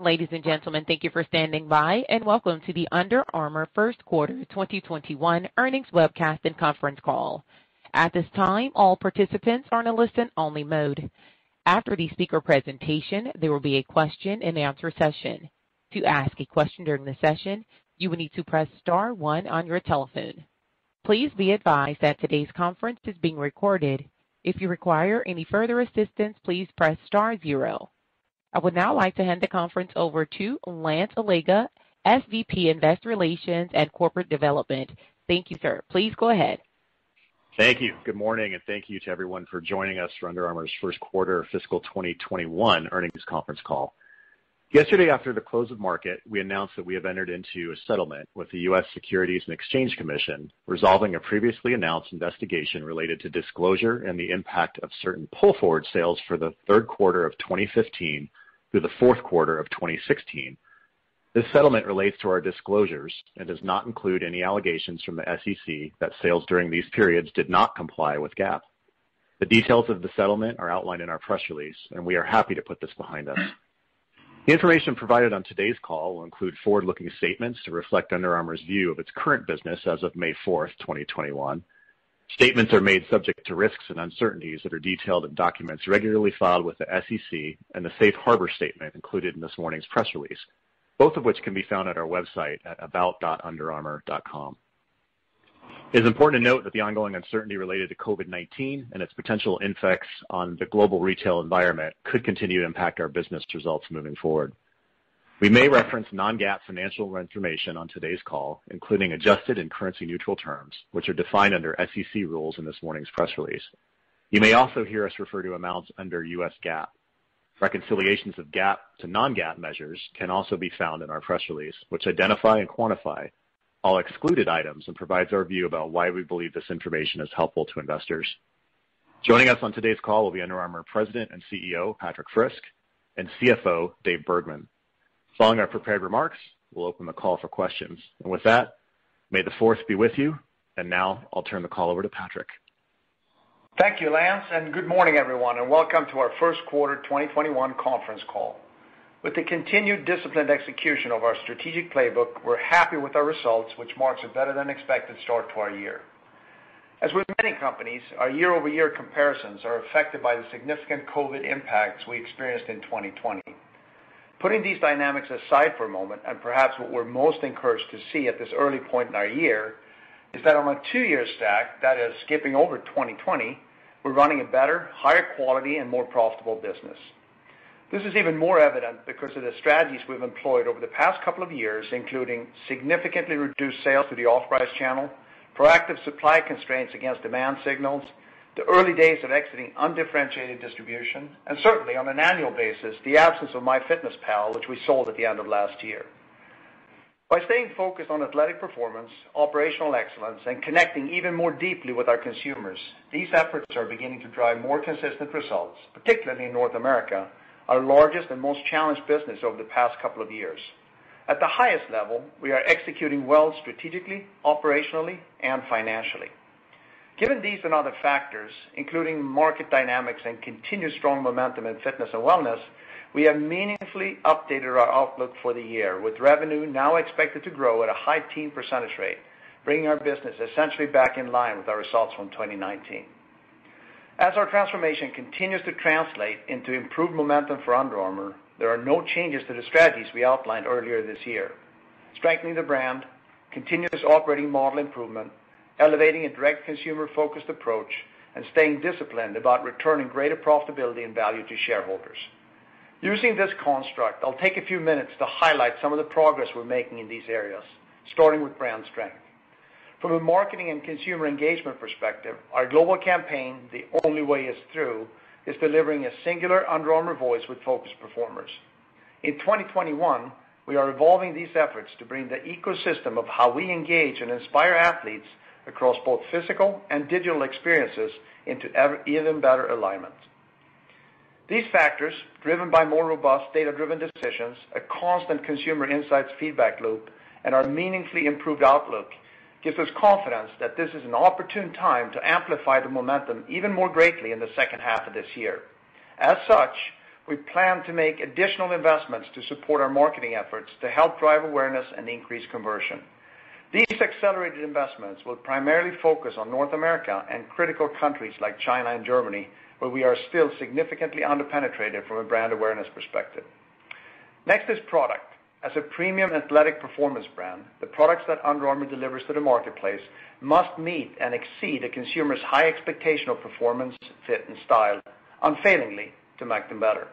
Ladies and gentlemen, thank you for standing by. Welcome to the Under Armour First Quarter 2021 Earnings Webcast and Conference Call. At this time, all participants are in a listen-only mode. After the speaker presentation, there will be a question-and-answer session. To ask a question during the session, you will need to press star one on your telephone. Please be advised that today's conference is being recorded. If you require any further assistance, please press star zero. I would now like to hand the conference over to Lance Allega, SVP, Investor Relations and Corporate Development. Thank you, sir. Please go ahead. Thank you. Good morning, and thank you to everyone for joining us for Under Armour's first-quarter fiscal 2021 earnings conference call. Yesterday, after the close of market, we announced that we have entered into a settlement with the U.S. Securities and Exchange Commission, resolving a previously announced investigation related to disclosure and the impact of certain pull-forward sales for the Q3 of 2015 through the fourth quarter of 2016. This settlement relates to our disclosures and does not include any allegations from the SEC that sales during these periods did not comply with GAAP. The details of the settlement are outlined in our press release, and we are happy to put this behind us. The information provided on today's call will include forward-looking statements to reflect Under Armour's view of its current business as of May 4, 2021. Statements are made subject to risks and uncertainties that are detailed in documents regularly filed with the SEC and the safe harbor statement included in this morning's press release, both of which can be found at our website at about.underarmour.com. It is important to note that the ongoing uncertainty related to COVID-19 and its potential impacts on the global retail environment could continue to impact our business results moving forward. We may reference non-GAAP financial information on today's call, including adjusted and currency-neutral terms, which are defined under SEC rules in this morning's press release. You may also hear us refer to amounts under U.S. GAAP. Reconciliations of GAAP to non-GAAP measures can also be found in our press release, which identify and quantify all excluded items and provides our view about why we believe this information is helpful to investors. Joining us on today's call will be Under Armour President and CEO, Patrik Frisk, and CFO, David Bergman. Following our prepared remarks, we'll open the call for questions. With that, may the fourth be with you, and now I'll turn the call over to Patrik. Thank you, Lance Allega, and good morning, everyone, and welcome to our Q1 2021 conference call. With the continued disciplined execution of our strategic playbook, we're happy with our results, which marks a better-than-expected start to our year. As with many companies, our year-over-year comparisons are affected by the significant COVID-19 impacts we experienced in 2020. Putting these dynamics aside for a moment, and perhaps what we're most encouraged to see at this early point in our year, is that on a two-year stack that is skipping over 2020, we're running a better, higher quality, and more profitable business. This is even more evident because of the strategies we've employed over the past couple of years, including significantly reduced sales through the off-price channel, proactive supply constraints against demand signals, the early days of exiting undifferentiated distribution, and certainly, on an annual basis, the absence of MyFitnessPal, which we sold at the end of last year. By staying focused on athletic performance, operational excellence, and connecting even more deeply with our consumers, these efforts are beginning to drive more consistent results, particularly in North America, our largest and most challenged business over the past couple of years. At the highest level, we are executing well strategically, operationally, and financially. Given these and other factors, including market dynamics and continued strong momentum in fitness and wellness, we have meaningfully updated our outlook for the year, with revenue now expected to grow at a high teen percentage rate, bringing our business essentially back in line with our results from 2019. As our transformation continues to translate into improved momentum for Under Armour, there are no changes to the strategies we outlined earlier this year. Strengthening the brand, continuous operating model improvement, elevating a direct consumer-focused approach, and staying disciplined about returning greater profitability and value to shareholders. Using this construct, I'll take a few minutes to highlight some of the progress we're making in these areas, starting with brand strength. From a marketing and consumer engagement perspective, our global campaign, The Only Way is Through, is delivering a singular Under Armour voice with focus performers. In 2021, we are evolving these efforts to bring the ecosystem of how we engage and inspire athletes across both physical and digital experiences into even better alignment. These factors, driven by more robust data-driven decisions, a constant consumer insights feedback loop, and our meaningfully improved outlook, gives us confidence that this is an opportune time to amplify the momentum even more greatly in the second half of this year. We plan to make additional investments to support our marketing efforts to help drive awareness and increase conversion. These accelerated investments will primarily focus on North America and critical countries like China and Germany, where we are still significantly under-penetrated from a brand awareness perspective. Next is product. As a premium athletic performance brand, the products that Under Armour delivers to the marketplace must meet and exceed a consumer's high expectation of performance, fit, and style unfailingly to make them better.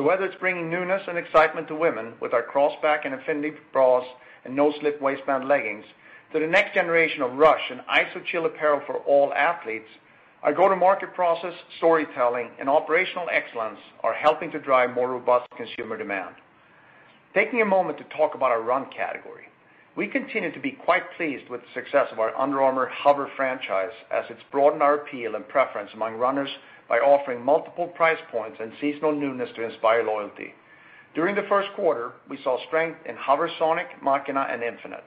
Whether it's bringing newness and excitement to women with our Crossback and Infinity bras and no-slip waistband leggings to the next generation of RUSH and Iso-Chill apparel for all athletes, our go-to-market process, storytelling, and operational excellence are helping to drive more robust consumer demand. Taking a moment to talk about our run category. We continue to be quite pleased with the success of our Under Armour HOVR franchise as it's broadened our appeal and preference among runners by offering multiple price points and seasonal newness to inspire loyalty. During the Q1, we saw strength in HOVR Sonic, Machina, and Infinite.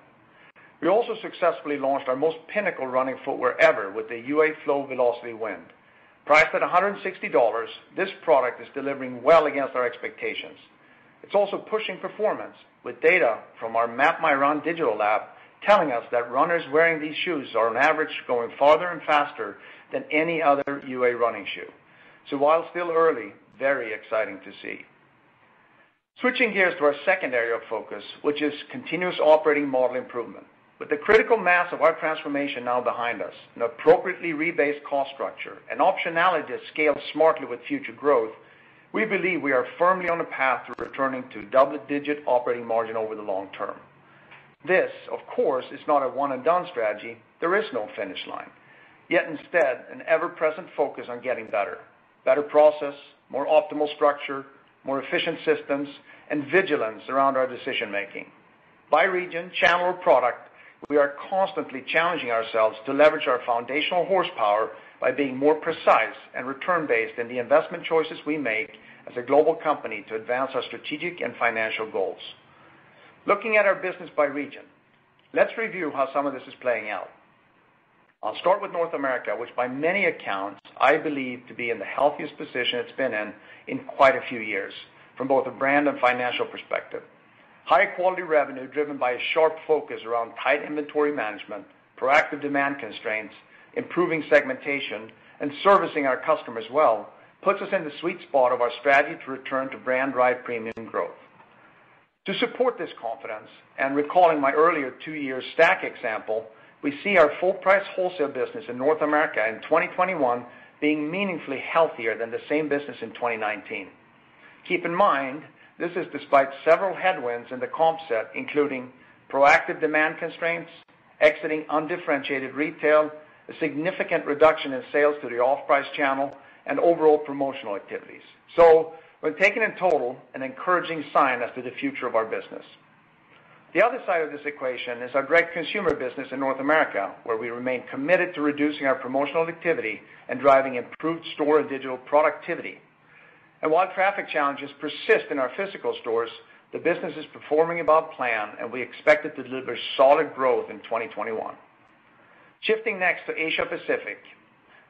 We also successfully launched our most pinnacle running footwear ever with the UA Flow Velociti Wind. Priced at $160, this product is delivering well against our expectations. It's also pushing performance with data from our MapMyRun digital lab telling us that runners wearing these shoes are on average going farther and faster than any other UA running shoe. While still early, very exciting to see. Switching gears to our second area of focus, which is continuous operating model improvement. With the critical mass of our transformation now behind us, an appropriately rebased cost structure and optionality that scales smartly with future growth, we believe we are firmly on a path to returning to double-digit operating margin over the long term. This, of course, is not a one and done strategy. There is no finish line. Yet instead, an ever-present focus on getting better. Better process, more optimal structure, more efficient systems, and vigilance around our decision-making. By region, channel, or product, we are constantly challenging ourselves to leverage our foundational horsepower by being more precise and return-based in the investment choices we make as a global company to advance our strategic and financial goals. Looking at our business by region, let's review how some of this is playing out. I'll start with North America, which by many accounts, I believe to be in the healthiest position it's been in quite a few years, from both a brand and financial perspective. High-quality revenue driven by a sharp focus around tight inventory management, proactive demand constraints, improving segmentation, and servicing our customers well, puts us in the sweet spot of our strategy to return to brand drive premium growth. To support this confidence, and recalling my earlier two-year stack example, we see our full price wholesale business in North America in 2021 being meaningfully healthier than the same business in 2019. Keep in mind, this is despite several headwinds in the comp set, including proactive demand constraints, exiting undifferentiated retail, a significant reduction in sales through the off-price channel, and overall promotional activities. When taken in total, an encouraging sign as to the future of our business. The other side of this equation is our direct consumer business in North America, where we remain committed to reducing our promotional activity and driving improved store and digital productivity. While traffic challenges persist in our physical stores, the business is performing above plan, and we expect it to deliver solid growth in 2021. Shifting next to Asia Pacific.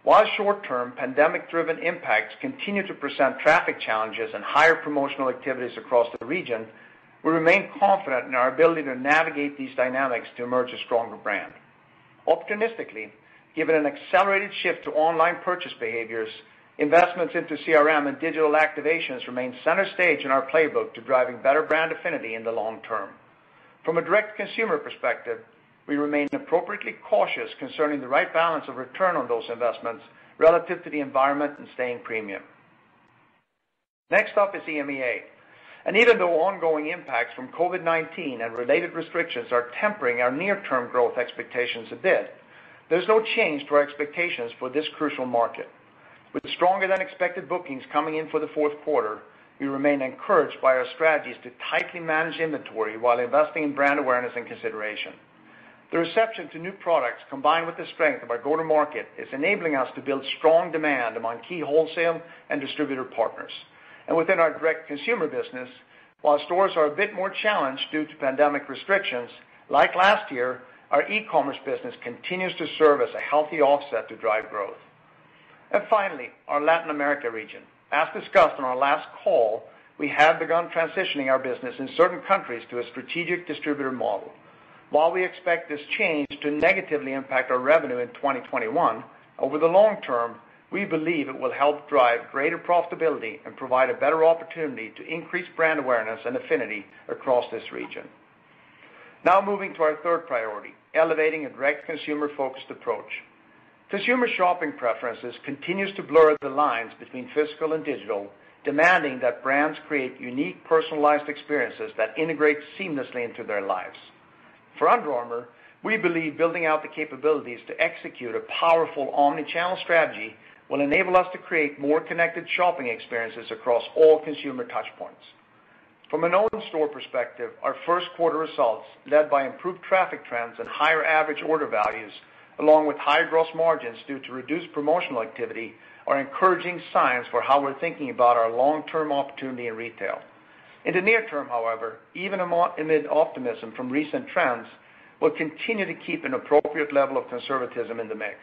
While short-term pandemic-driven impacts continue to present traffic challenges and higher promotional activities across the region, we remain confident in our ability to navigate these dynamics to emerge a stronger brand. Optimistically, given an accelerated shift to online purchase behaviors, investments into CRM and digital activations remain center stage in our playbook to driving better brand affinity in the long term. From a direct consumer perspective, we remain appropriately cautious concerning the right balance of return on those investments relative to the environment and staying premium. Next up is EMEA. Even though ongoing impacts from COVID-19 and related restrictions are tempering our near-term growth expectations a bit, there's no change to our expectations for this crucial market. With stronger than expected bookings coming in for the fourth quarter, we remain encouraged by our strategies to tightly manage inventory while investing in brand awareness and consideration. The reception to new products, combined with the strength of our go-to-market, is enabling us to build strong demand among key wholesale and distributor partners. Within our direct-to-consumer business, while stores are a bit more challenged due to pandemic restrictions, like last year, our e-commerce business continues to serve as a healthy offset to drive growth. Finally, our Latin America region. As discussed on our last call, we have begun transitioning our business in certain countries to a strategic distributor model. While we expect this change to negatively impact our revenue in 2021, over the long term, we believe it will help drive greater profitability and provide a better opportunity to increase brand awareness and affinity across this region. Now moving to our third priority, elevating a direct-to-consumer-focused approach. Consumer shopping preferences continues to blur the lines between physical and digital, demanding that brands create unique, personalized experiences that integrate seamlessly into their lives. For Under Armour, we believe building out the capabilities to execute a powerful omni-channel strategy will enable us to create more connected shopping experiences across all consumer touch points. From an owned store perspective, our Q1 results, led by improved traffic trends and higher average order values, along with higher gross margins due to reduced promotional activity, are encouraging signs for how we're thinking about our long-term opportunity in retail. In the near term, however, even amid optimism from recent trends, we'll continue to keep an appropriate level of conservatism in the mix.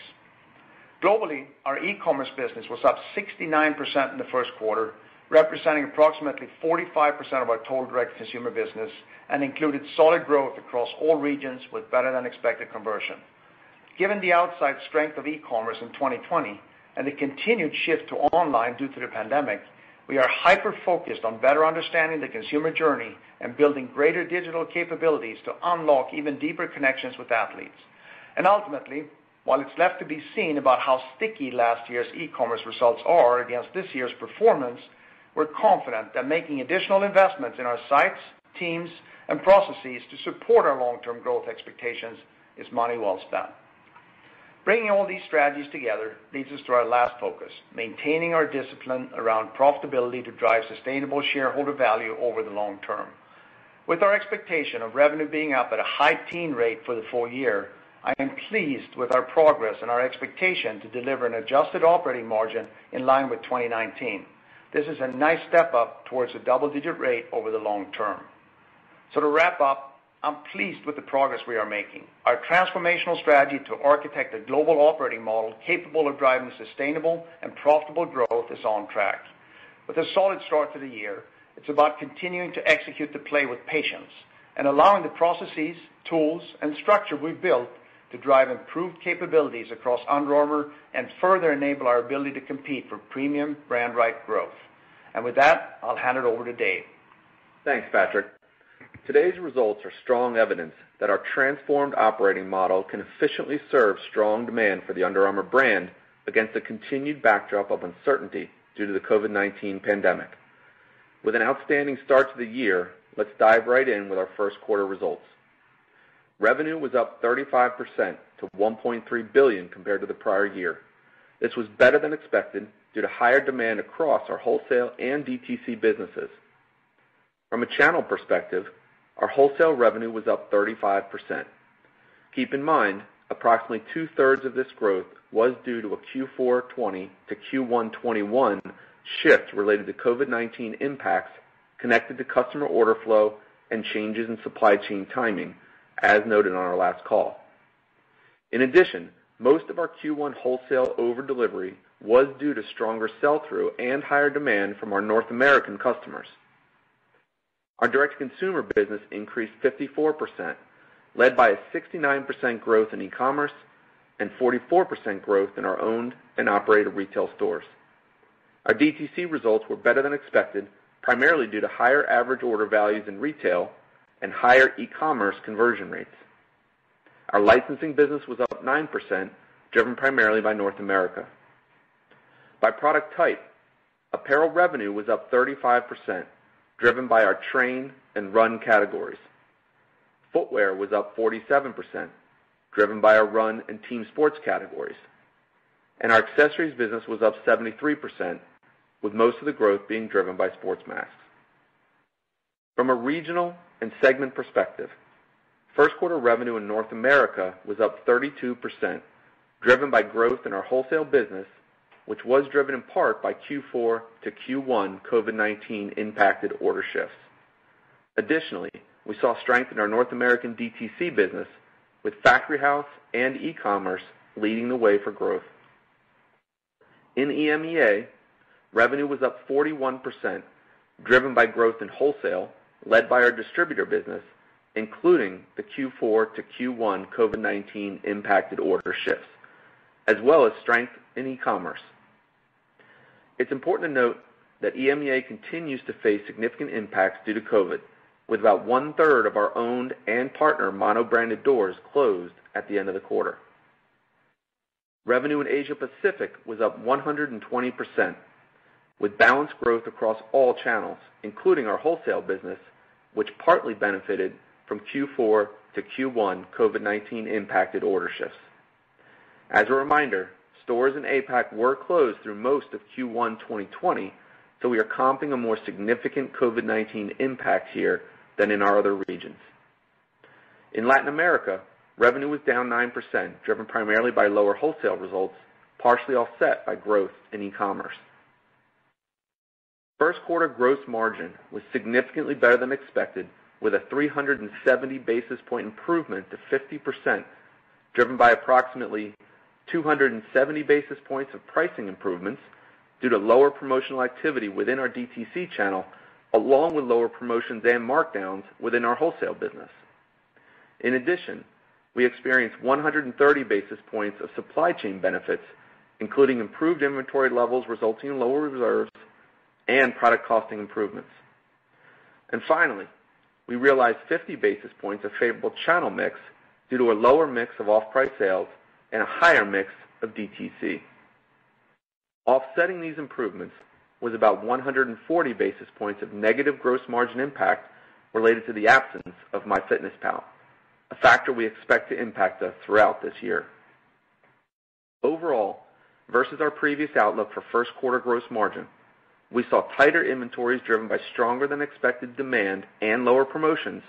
Globally, our e-commerce business was up 69% in the Q1, representing approximately 45% of our total direct consumer business and included solid growth across all regions with better than expected conversion. Given the outsize strength of e-commerce in 2020 and the continued shift to online due to the pandemic, we are hyper-focused on better understanding the consumer journey and building greater digital capabilities to unlock even deeper connections with athletes. Ultimately, while it's left to be seen about how sticky last year's e-commerce results are against this year's performance, we're confident that making additional investments in our sites, teams, and processes to support our long-term growth expectations is money well spent. Bringing all these strategies together leads us to our last focus, maintaining our discipline around profitability to drive sustainable shareholder value over the long term. With our expectation of revenue being up at a high teen rate for the full year, I am pleased with our progress and our expectation to deliver an adjusted operating margin in line with 2019. This is a nice step up towards a double-digit rate over the long term. To wrap up, I'm pleased with the progress we are making. Our transformational strategy to architect a global operating model capable of driving sustainable and profitable growth is on track. With a solid start to the year, it's about continuing to execute the play with patience and allowing the processes, tools, and structure we've built to drive improved capabilities across Under Armour and further enable our ability to compete for premium brand right growth. With that, I'll hand it over to David. Thanks, Patrik. Today's results are strong evidence that our transformed operating model can efficiently serve strong demand for the Under Armour brand against a continued backdrop of uncertainty due to the COVID-19 pandemic. With an outstanding start to the year, let's dive right in with our Q1 results. Revenue was up 35% to $1.3 billion compared to the prior year. This was better than expected due to higher demand across our wholesale and DTC businesses. From a channel perspective, our wholesale revenue was up 35%. Keep in mind, approximately two-thirds of this growth was due to a Q4 2020 to Q1 2021 shift related to COVID-19 impacts connected to customer order flow and changes in supply chain timing, as noted on our last call. In addition, most of our Q1 wholesale over delivery was due to stronger sell-through and higher demand from our North American customers. Our direct-to-consumer business increased 54%, led by a 69% growth in e-commerce and 44% growth in our owned and operated retail stores. Our DTC results were better than expected, primarily due to higher average order values in retail and higher e-commerce conversion rates. Our licensing business was up 9%, driven primarily by North America. By product type, apparel revenue was up 35%, driven by our train and run categories. Footwear was up 47%, driven by our run and team sports categories. Our accessories business was up 73%, with most of the growth being driven by sports masks. From a regional and segment perspective, Q1 revenue in North America was up 32%, driven by growth in our wholesale business, which was driven in part by Q4 to Q1 COVID-19 impacted order shifts. Additionally, we saw strength in our North American DTC business, with Factory House and e-commerce leading the way for growth. In EMEA, revenue was up 41%, driven by growth in wholesale, led by our distributor business, including the Q4 to Q1 COVID-19 impacted order shifts, as well as strength in e-commerce. It's important to note that EMEA continues to face significant impacts due to COVID-19, with about one-third of our owned and partner mono-branded doors closed at the end of the quarter. Revenue in Asia Pacific was up 120%, with balanced growth across all channels, including our wholesale business, which partly benefited from Q4 to Q1 COVID-19 impacted order shifts. As a reminder, stores in APAC were closed through most of Q1 2020, so we are comping a more significant COVID-19 impact here than in our other regions. In Latin America, revenue was down 9%, driven primarily by lower wholesale results, partially offset by growth in e-commerce. First quarter gross margin was significantly better than expected, with a 370 basis point improvement to 50%, driven by approximately 270 basis points of pricing improvements due to lower promotional activity within our DTC channel, along with lower promotions and markdowns within our wholesale business. In addition, we experienced 130 basis points of supply chain benefits, including improved inventory levels resulting in lower reserves and product costing improvements. Finally, we realized 50 basis points of favorable channel mix due to a lower mix of off-price sales and a higher mix of DTC. Offsetting these improvements was about 140 basis points of negative gross margin impact related to the absence of MyFitnessPal, a factor we expect to impact us throughout this year. Overall, versus our previous outlook for Q1 gross margin, we saw tighter inventories driven by stronger than expected demand and lower promotions,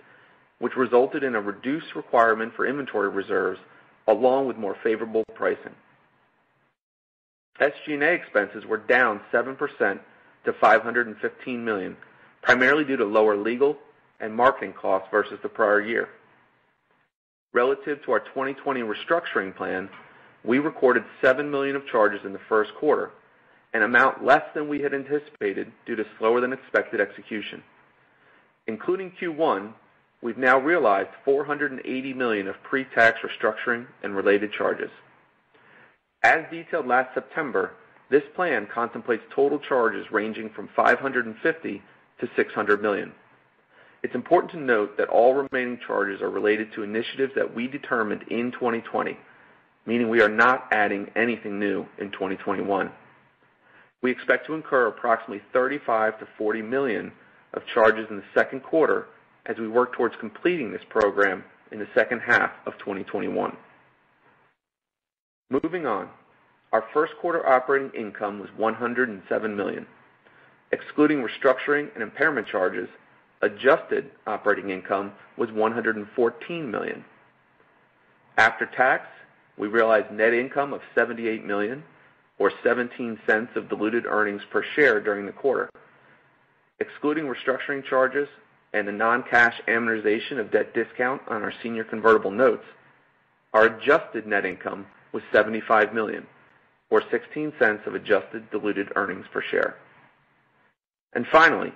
which resulted in a reduced requirement for inventory reserves along with more favorable pricing. SG&A expenses were down 7% to $515 million, primarily due to lower legal and marketing costs versus the prior year. Relative to our 2020 restructuring plan, we recorded $7 million of charges in the Q1, an amount less than we had anticipated due to slower than expected execution. Including Q1, we've now realized $480 million of pre-tax restructuring and related charges. As detailed last September, this plan contemplates total charges ranging from $550 million-$600 million. It's important to note that all remaining charges are related to initiatives that we determined in 2020, meaning we are not adding anything new in 2021. We expect to incur approximately $35 million-$40 million of charges in the Q2 as we work towards completing this program in the second half of 2021. Moving on, our Q1 operating income was $107 million. Excluding restructuring and impairment charges, adjusted operating income was $114 million. After tax, we realized net income of $78 million or $0.17 of diluted earnings per share during the quarter. Excluding restructuring charges and the non-cash amortization of debt discount on our senior convertible notes, our adjusted net income was $75 million, or $0.16 of adjusted diluted earnings per share. Finally,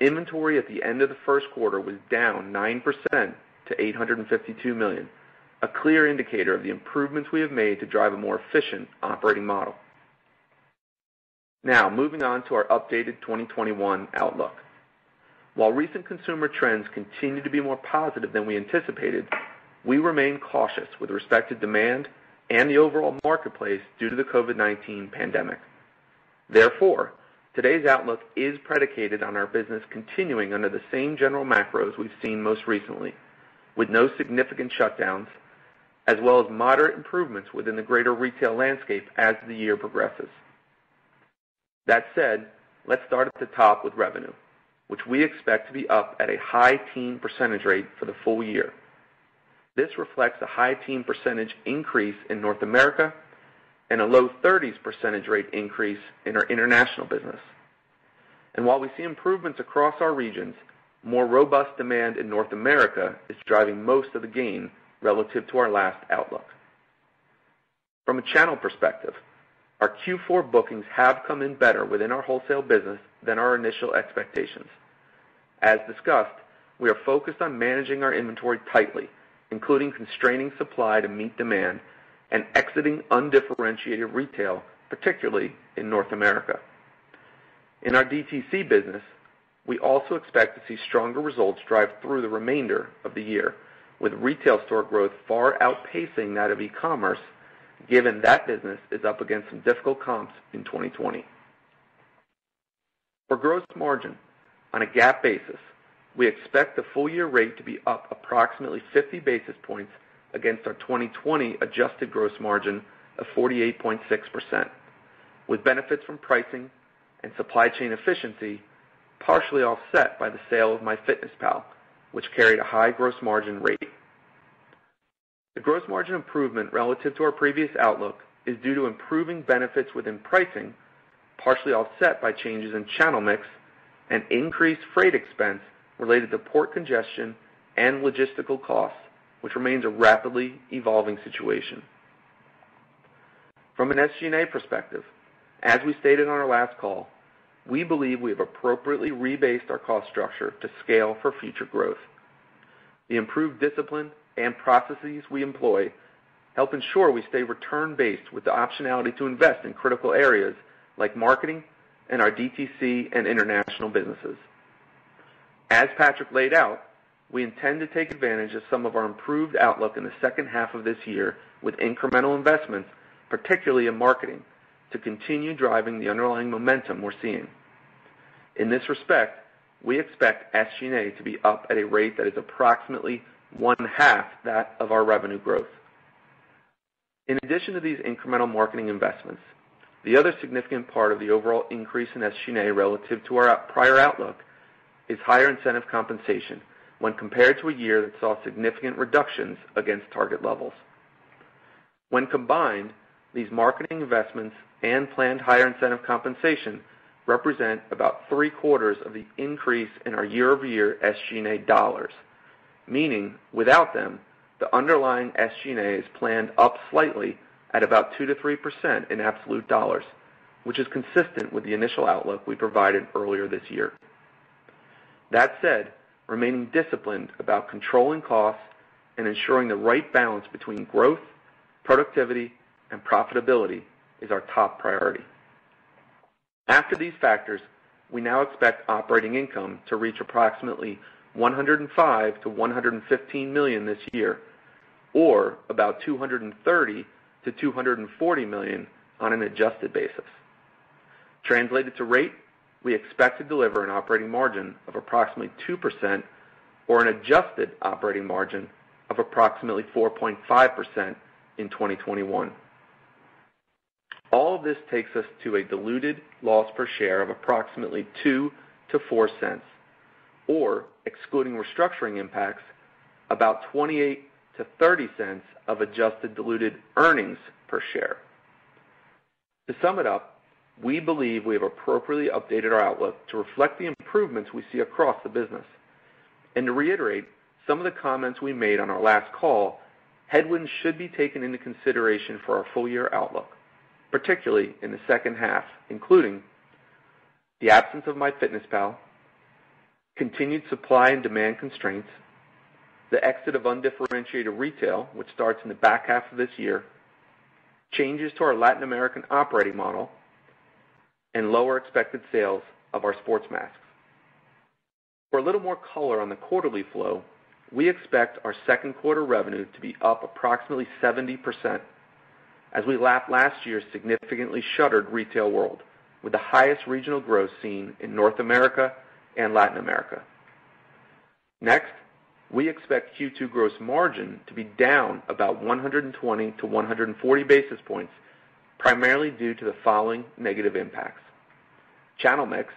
inventory at the end of the Q1 was down 9% to $852 million, a clear indicator of the improvements we have made to drive a more efficient operating model. Moving on to our updated 2021 outlook. While recent consumer trends continue to be more positive than we anticipated, we remain cautious with respect to demand and the overall marketplace due to the COVID-19 pandemic. Therefore, today's outlook is predicated on our business continuing under the same general macros we've seen most recently, with no significant shutdowns, as well as moderate improvements within the greater retail landscape as the year progresses. That said, let's start at the top with revenue, which we expect to be up at a high teen % rate for the full year. This reflects a high teen % increase in North America, and a low thirties % rate increase in our international business. While we see improvements across our regions, more robust demand in North America is driving most of the gain relative to our last outlook. From a channel perspective, our Q4 bookings have come in better within our wholesale business than our initial expectations. As discussed, we are focused on managing our inventory tightly, including constraining supply to meet demand and exiting undifferentiated retail, particularly in North America. In our DTC business, we also expect to see stronger results drive through the remainder of the year, with retail store growth far outpacing that of e-commerce, given that business is up against some difficult comps in 2020. For gross margin on a GAAP basis, we expect the full year rate to be up approximately 50 basis points against our 2020 adjusted gross margin of 48.6%, with benefits from pricing and supply chain efficiency partially offset by the sale of MyFitnessPal, which carried a high gross margin rate. The gross margin improvement relative to our previous outlook is due to improving benefits within pricing, partially offset by changes in channel mix and increased freight expense related to port congestion and logistical costs, which remains a rapidly evolving situation. From an SG&A perspective, as we stated on our last call, we believe we have appropriately rebased our cost structure to scale for future growth. The improved discipline and processes we employ help ensure we stay return based with the optionality to invest in critical areas like marketing and our DTC and international businesses. As Patrik laid out, we intend to take advantage of some of our improved outlook in the second half of this year with incremental investments, particularly in marketing, to continue driving the underlying momentum we're seeing. In this respect, we expect SG&A to be up at a rate that is approximately one half that of our revenue growth. In addition to these incremental marketing investments, the other significant part of the overall increase in SG&A relative to our prior outlook is higher incentive compensation when compared to a year that saw significant reductions against target levels. When combined, these marketing investments and planned higher incentive compensation represent about three-quarters of the increase in our year-over-year SG&A dollars. Meaning without them, the underlying SG&A is planned up slightly at about 2%-3% in absolute dollars, which is consistent with the initial outlook we provided earlier this year. That said, remaining disciplined about controlling costs and ensuring the right balance between growth, productivity, and profitability is our top priority. After these factors, we now expect operating income to reach approximately $105 million-$115 million this year, or about $230 million-$240 million on an adjusted basis. Translated to rate, we expect to deliver an operating margin of approximately 2% or an adjusted operating margin of approximately 4.5% in 2021. All of this takes us to a diluted loss per share of approximately $0.02-$0.04, or excluding restructuring impacts, about $0.28-$0.30 of adjusted diluted earnings per share. To sum it up, we believe we have appropriately updated our outlook to reflect the improvements we see across the business. To reiterate some of the comments we made on our last call, headwinds should be taken into consideration for our full year outlook, particularly in the second half, including the absence of MyFitnessPal, continued supply and demand constraints, the exit of undifferentiated retail, which starts in the back half of this year, changes to our Latin American operating model, and lower expected sales of our sports masks. For a little more color on the quarterly flow, we expect our Q2 revenue to be up approximately 70% as we lap last year's significantly shuttered retail world with the highest regional growth seen in North America and Latin America. Next, we expect Q2 gross margin to be down about 120-140 basis points, primarily due to the following negative impacts, channel mix,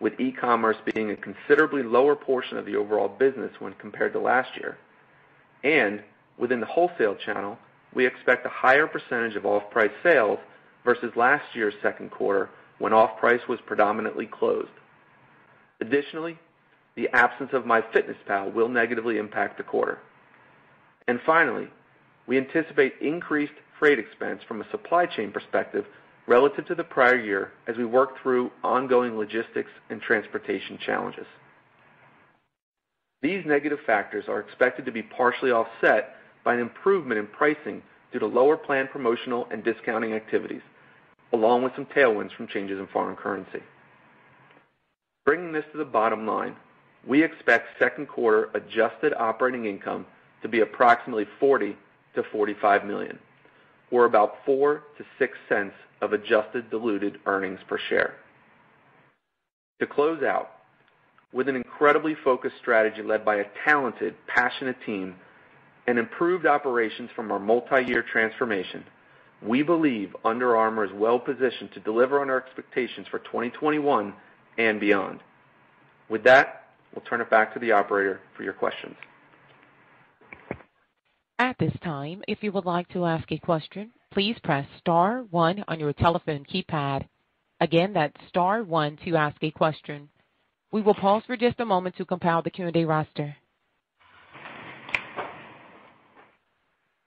with e-commerce being a considerably lower portion of the overall business when compared to last year. Within the wholesale channel, we expect a higher percentage of off-price sales versus last year's Q2, when off-price was predominantly closed. The absence of MyFitnessPal will negatively impact the quarter. Finally, we anticipate increased freight expense from a supply chain perspective relative to the prior year as we work through ongoing logistics and transportation challenges. These negative factors are expected to be partially offset by an improvement in pricing due to lower planned promotional and discounting activities, along with some tailwinds from changes in foreign currency. Bringing this to the bottom line, we expect Q2 adjusted operating income to be approximately $40 million-$45 million, or about $0.04 to $0.06 of adjusted diluted earnings per share. To close out, with an incredibly focused strategy led by a talented, passionate team and improved operations from our multi-year transformation, we believe Under Armour is well positioned to deliver on our expectations for 2021 and beyond. With that, we'll turn it back to the operator for your questions. At this time, if you would like to ask a question, please press star one on your telephone keypad. Again, that's star one to ask a question. We will pause for just a moment to compile the Q&A roster.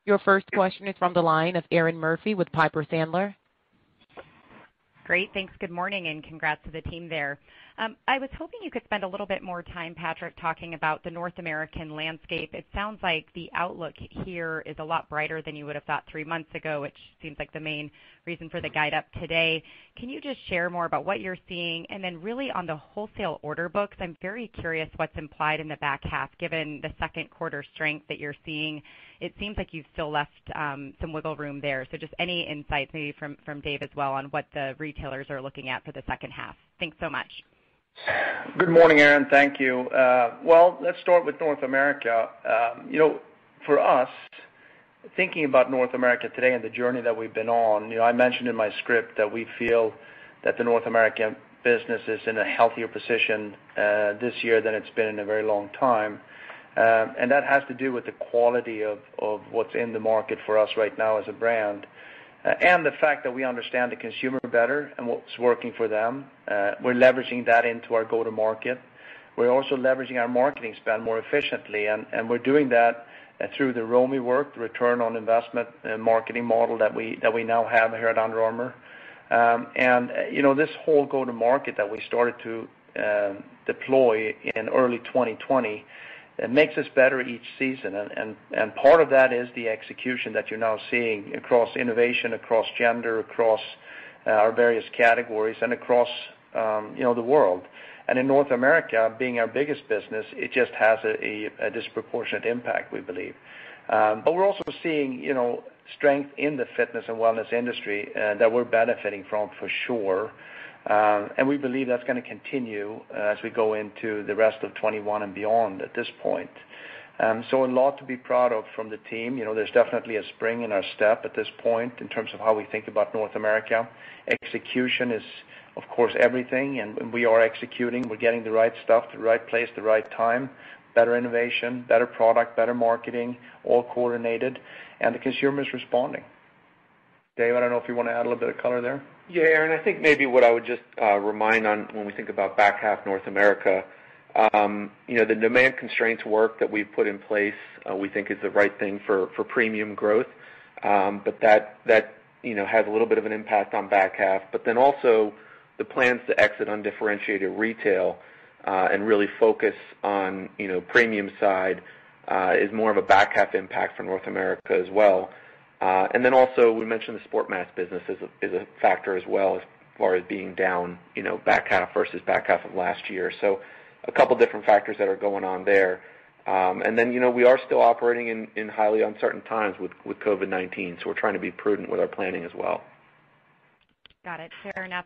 Your first question is from the line of Erinn Murphy with Piper Sandler. Great. Thanks. Good morning, and congrats to the team there. I was hoping you could spend a little bit more time, Patrik, talking about the North American landscape. It sounds like the outlook here is a lot brighter than you would've thought three months ago, which seems like the main reason for the guide up today. Can you just share more about what you're seeing? Then really on the wholesale order books, I'm very curious what's implied in the back half, given the Q2 strength that you're seeing. It seems like you've still left some wiggle room there. So just any insights, maybe from David as well, on what the retailers are looking at for the second half. Thanks so much. Good morning, Erinn. Thank you. Well, let's start with North America. For us, thinking about North America today and the journey that we've been on, I mentioned in my script that we feel that the North American business is in a healthier position this year than it's been in a very long time. That has to do with the quality of what's in the market for us right now as a brand. The fact that we understand the consumer better and what's working for them. We're leveraging that into our go-to-market. We're also leveraging our marketing spend more efficiently, and we're doing that through the ROMI work, the return on investment marketing model that we now have here at Under Armour. This whole go-to-market that we started to deploy in early 2020 makes us better each season, and part of that is the execution that you're now seeing across innovation, across gender, across our various categories, and across the world. In North America, being our biggest business, it just has a disproportionate impact, we believe. We're also seeing strength in the fitness and wellness industry that we're benefiting from for sure. We believe that's going to continue as we go into the rest of 2021 and beyond at this point. A lot to be proud of from the team. There's definitely a spring in our step at this point in terms of how we think about North America. Execution is, of course, everything, and we are executing. We're getting the right stuff, the right place, the right time. Better innovation, better product, better marketing, all coordinated. The consumer is responding. David, I don't know if you want to add a little bit of color there. Yeah, Erinn, I think maybe what I would just remind on when we think about back half North America. The demand constraints work that we've put in place we think is the right thing for premium growth. That has a little bit of an impact on back half. Also the plans to exit undifferentiated retail and really focus on premium side is more of a back half impact for North America as well. Also, we mentioned the UA SPORTSMASK business is a factor as well as far as being down back half versus back half of last year. A couple different factors that are going on there. We are still operating in highly uncertain times with COVID-19, so we're trying to be prudent with our planning as well. Got it. Fair enough.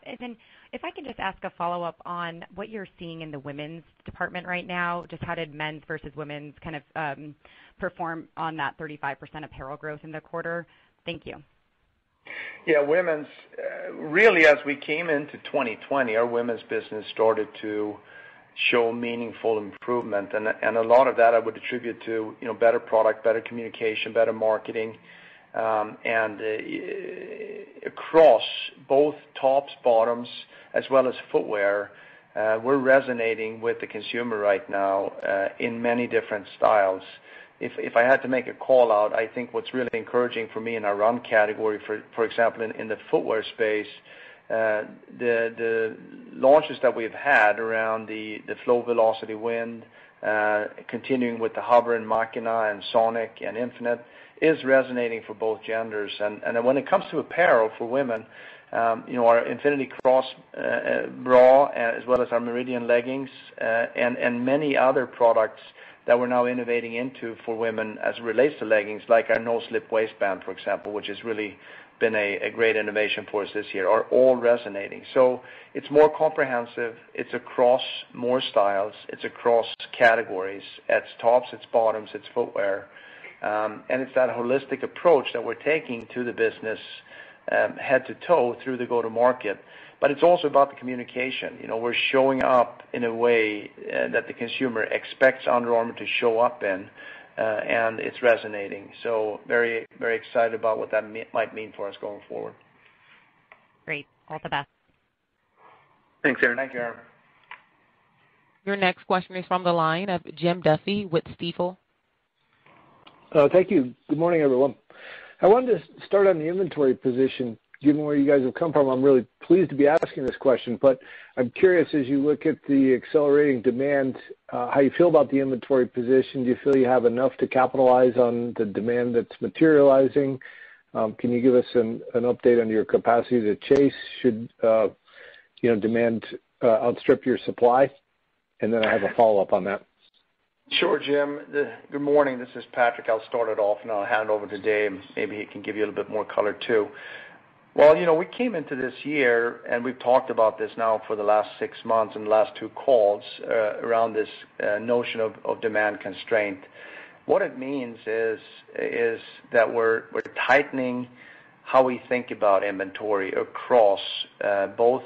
If I can just ask a follow-up on what you're seeing in the women's department right now. Just how did men's versus women's perform on that 35% apparel growth in the quarter? Thank you. Yeah. Really, as we came into 2020, our women's business started to show meaningful improvement, and a lot of that I would attribute to better product, better communication, better marketing. Across both tops, bottoms, as well as footwear, we're resonating with the consumer right now in many different styles. If I had to make a call-out, I think what's really encouraging for me in our run category, for example, in the footwear space, the launches that we've had around the Flow Velociti Wind, continuing with the HOVR and Machina and Sonic and Infinite is resonating for both genders. When it comes to apparel for women, our Infinity Crossback bra, as well as our Meridian leggings, and many other products that we're now innovating into for women as it relates to leggings, like our no-slip waistband, for example, which has really been a great innovation for us this year, are all resonating. It's more comprehensive. It's across more styles. It's across categories. It's tops, it's bottoms, it's footwear. It's that holistic approach that we're taking to the business. Head to toe through the go-to-market. It's also about the communication. We're showing up in a way that the consumer expects Under Armour to show up in, and it's resonating. Very excited about what that might mean for us going forward. Great. All the best. Thanks, Erinn. Thanks, Erinn. Your next question is from the line of Jim Duffy with Stifel. Thank you. Good morning, everyone. I wanted to start on the inventory position. Given where you guys have come from, I'm really pleased to be asking this question. I'm curious, as you look at the accelerating demand, how you feel about the inventory position. Do you feel you have enough to capitalize on the demand that's materializing? Can you give us an update on your capacity to chase, should demand outstrip your supply? I have a follow-up on that. Sure, Jim Duffy. Good morning. This is Patrik Frisk. I'll start it off and I'll hand over to David Bergman, maybe he can give you a little bit more color, too. Well, we came into this year, and we've talked about this now for the last six months and the last two calls around this notion of demand constraint. What it means is that we're tightening how we think about inventory across, both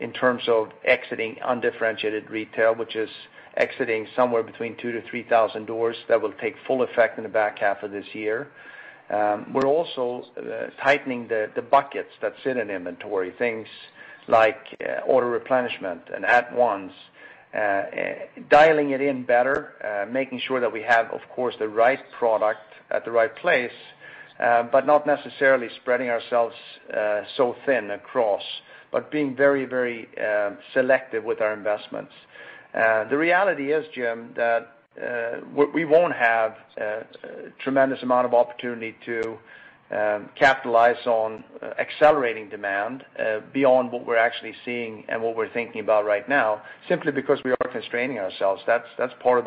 in terms of exiting undifferentiated retail, which is exiting somewhere between 2,000 to 3,000 doors that will take full effect in the back half of this year. We're also tightening the buckets that sit in inventory, things like auto replenishment and add-ons. Dialing it in better, making sure that we have, of course, the right product at the right place, but not necessarily spreading ourselves so thin across, but being very selective with our investments. The reality is, Jim, that we won't have a tremendous amount of opportunity to capitalize on accelerating demand beyond what we're actually seeing and what we're thinking about right now, simply because we are constraining ourselves. That's part of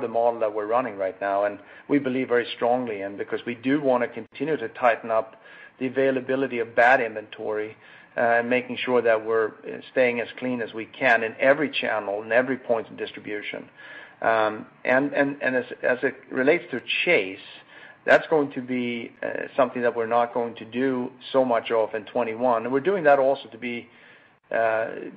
the model that we're running right now, and we believe very strongly in, because we do want to continue to tighten up the availability of bad inventory, making sure that we're staying as clean as we can in every channel, in every point of distribution. As it relates to chase, that's going to be something that we're not going to do so much of in 2021. We're doing that also to be careful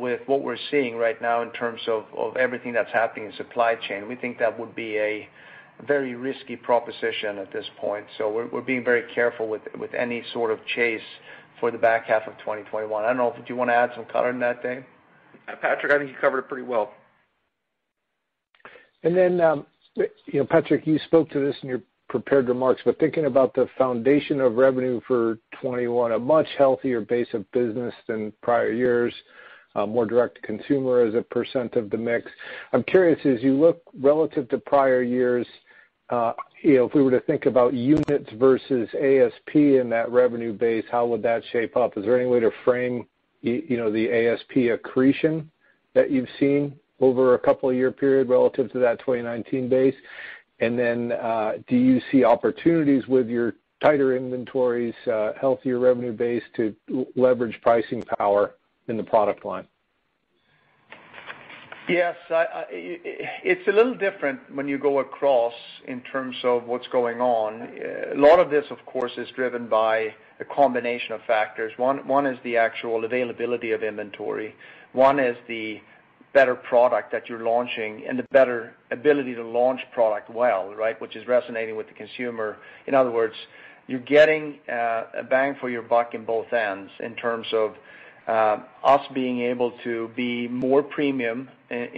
with what we're seeing right now in terms of everything that's happening in supply chain. We think that would be a very risky proposition at this point. We're being very careful with any sort of chase for the back half of 2021. I don't know if you want to add some color on that, David? Patrik, I think you covered it pretty well. Patrik, you spoke to this in your prepared remarks, but thinking about the foundation of revenue for 2021, a much healthier base of business than prior years, more direct to consumer as a percent of the mix. I'm curious, as you look relative to prior years, if we were to think about units versus ASP in that revenue base, how would that shape up? Is there any way to frame the ASP accretion that you've seen over a couple of year period relative to that 2019 base? Do you see opportunities with your tighter inventories, healthier revenue base to leverage pricing power in the product line? Yes. It's a little different when you go across in terms of what's going on. A lot of this, of course, is driven by a combination of factors. One is the actual availability of inventory. One is the better product that you're launching and the better ability to launch product well, which is resonating with the consumer. In other words, you're getting a bang for your buck in both ends in terms of us being able to be more premium as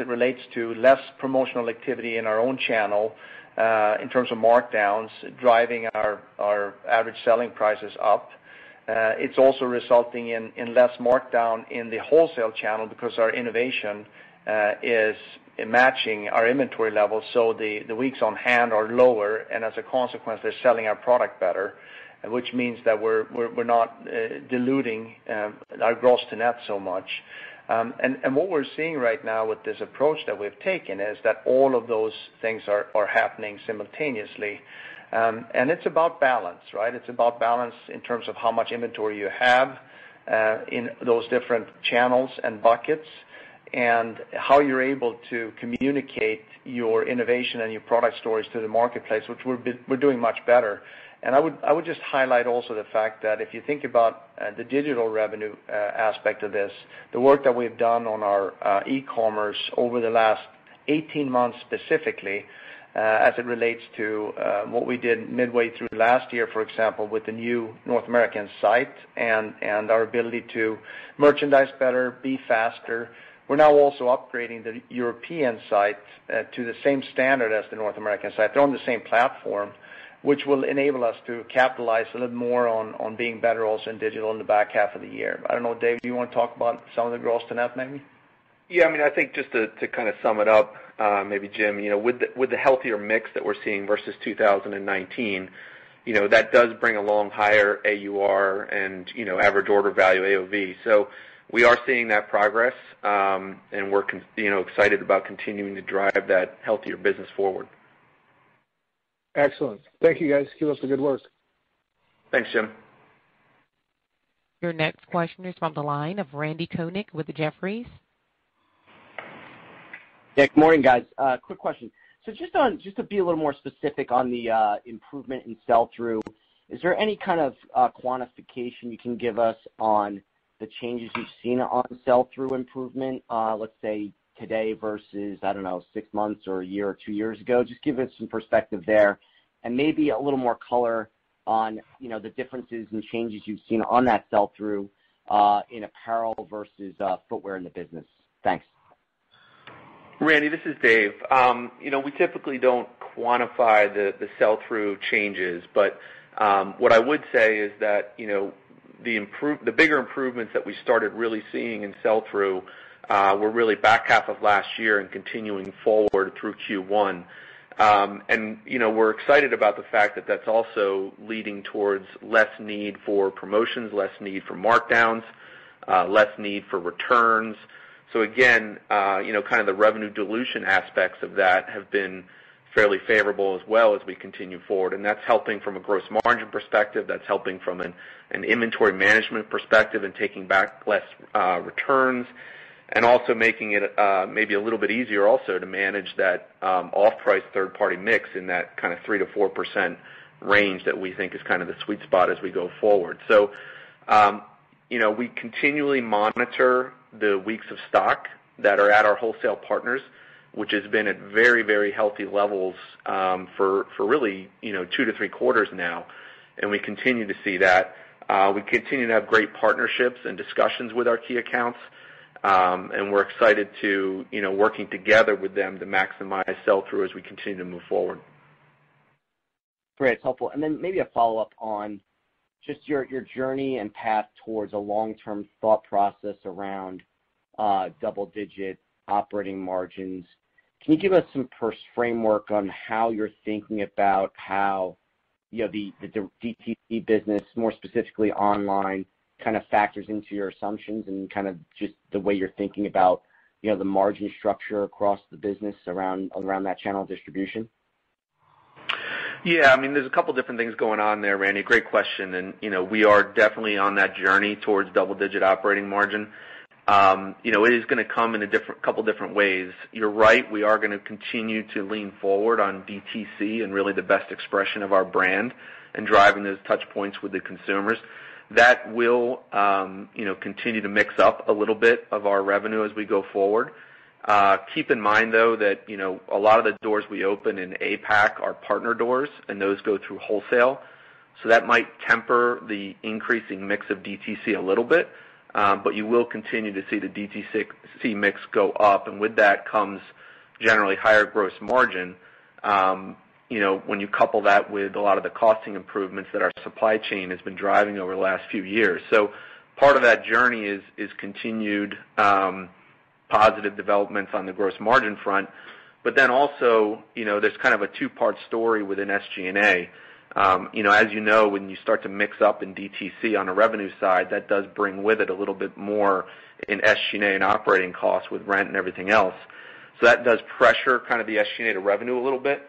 it relates to less promotional activity in our own channel, in terms of markdowns, driving our average selling prices up. It's also resulting in less markdown in the wholesale channel because our innovation is matching our inventory levels, so the weeks on hand are lower, and as a consequence, they're selling our product better, which means that we're not diluting our gross to net so much. What we're seeing right now with this approach that we've taken is that all of those things are happening simultaneously. It's about balance, right? It's about balance in terms of how much inventory you have in those different channels and buckets, and how you're able to communicate your innovation and your product stories to the marketplace, which we're doing much better. I would just highlight also the fact that if you think about the digital revenue aspect of this, the work that we've done on our e-commerce over the last 18 months, specifically, as it relates to what we did midway through last year, for example, with the new North American site and our ability to merchandise better, be faster. We're now also upgrading the European site to the same standard as the North American site. They're on the same platform, which will enable us to capitalize a little more on being better also in digital in the back half of the year. I don't know, David, do you want to talk about some of the gross to net maybe? Yeah, I think just to kind of sum it up, maybe Jim, with the healthier mix that we're seeing versus 2019, that does bring along higher AUR and average order value, AOV. We are seeing that progress, and we're excited about continuing to drive that healthier business forward. Excellent. Thank you, guys. Keep up the good work. Thanks, Jim. Your next question is from the line of Randy Konik with Jefferies. Good morning, guys. Quick question. Just to be a little more specific on the improvement in sell-through, is there any kind of quantification you can give us on the changes you've seen on sell-through improvement, let's say today versus, I don't know, six months or a year or two years ago? Just give us some perspective there and maybe a little more color on the differences and changes you've seen on that sell-through in apparel versus footwear in the business. Thanks. Randy, this is David. We typically don't quantify the sell-through changes, but what I would say is that the bigger improvements that we started really seeing in sell-through were really back half of last year and continuing forward through Q1. We're excited about the fact that that's also leading towards less need for promotions, less need for markdowns, less need for returns. Again, kind of the revenue dilution aspects of that have been fairly favorable as well as we continue forward. That's helping from a gross margin perspective. That's helping from an inventory management perspective and taking back less returns, and also making it maybe a little bit easier also to manage that off-price third-party mix in that kind of 3%-4% range that we think is kind of the sweet spot as we go forward. We continually monitor the weeks of stock that are at our wholesale partners, which has been at very healthy levels for really two to three quarters now, and we continue to see that. We continue to have great partnerships and discussions with our key accounts, and we're excited to working together with them to maximize sell-through as we continue to move forward. Great. It's helpful. Maybe a follow-up on just your journey and path towards a long-term thought process around double-digit operating margins. Can you give us some framework on how you're thinking about how the DTC business, more specifically online, kind of factors into your assumptions and kind of just the way you're thinking about the margin structure across the business around that channel distribution? There's a couple different things going on there, Randy. Great question. We are definitely on that journey towards double-digit operating margin. It is going to come in a couple different ways. You're right, we are going to continue to lean forward on DTC and really the best expression of our brand and driving those touch points with the consumers. That will continue to mix up a little bit of our revenue as we go forward. Keep in mind, though, that a lot of the doors we open in APAC are partner doors, and those go through wholesale. That might temper the increasing mix of DTC a little bit. You will continue to see the DTC mix go up, and with that comes generally higher gross margin when you couple that with a lot of the costing improvements that our supply chain has been driving over the last few years. Part of that journey is continued positive developments on the gross margin front. Also, there's kind of a two-part story within SG&A. As you know, when you start to mix up in DTC on a revenue side, that does bring with it a little bit more in SG&A and operating costs with rent and everything else. That does pressure kind of the SG&A to revenue a little bit.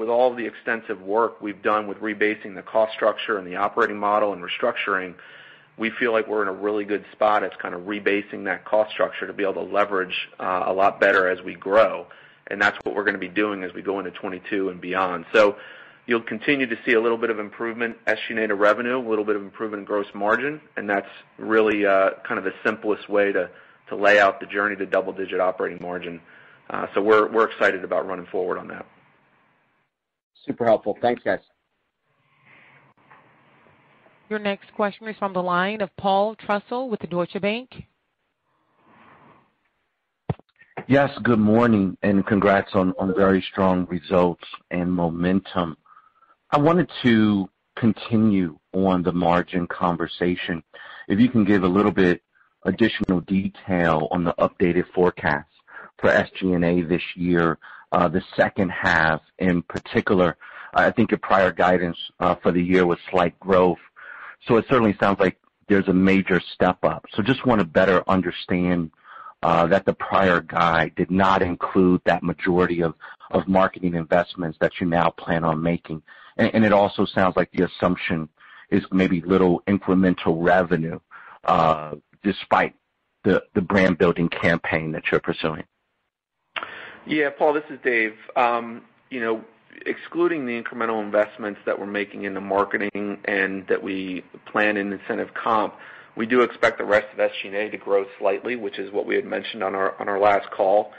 With all of the extensive work we've done with rebasing the cost structure and the operating model and restructuring, we feel like we're in a really good spot at kind of rebasing that cost structure to be able to leverage a lot better as we grow. That's what we're going to be doing as we go into 2022 and beyond. You'll continue to see a little bit of improvement in SG&A to revenue, a little bit of improvement in gross margin, and that's really kind of the simplest way to lay out the journey to double-digit operating margin. We're excited about running forward on that. Super helpful. Thanks, guys. Your next question is from the line of Paul Trussell with Deutsche Bank. Yes, good morning, and congrats on very strong results and momentum. I wanted to continue on the margin conversation. If you can give a little bit additional detail on the updated forecast for SG&A this year, the second half in particular. I think your prior guidance for the year was slight growth, so it certainly sounds like there's a major step up. Just want to better understand that the prior guide did not include that majority of marketing investments that you now plan on making. It also sounds like the assumption is maybe little incremental revenue despite the brand-building campaign that you're pursuing. Yeah. Paul, this is David. Excluding the incremental investments that we're making in the marketing and that we plan in incentive comp, we do expect the rest of SG&A to grow slightly, which is what we had mentioned on our last call.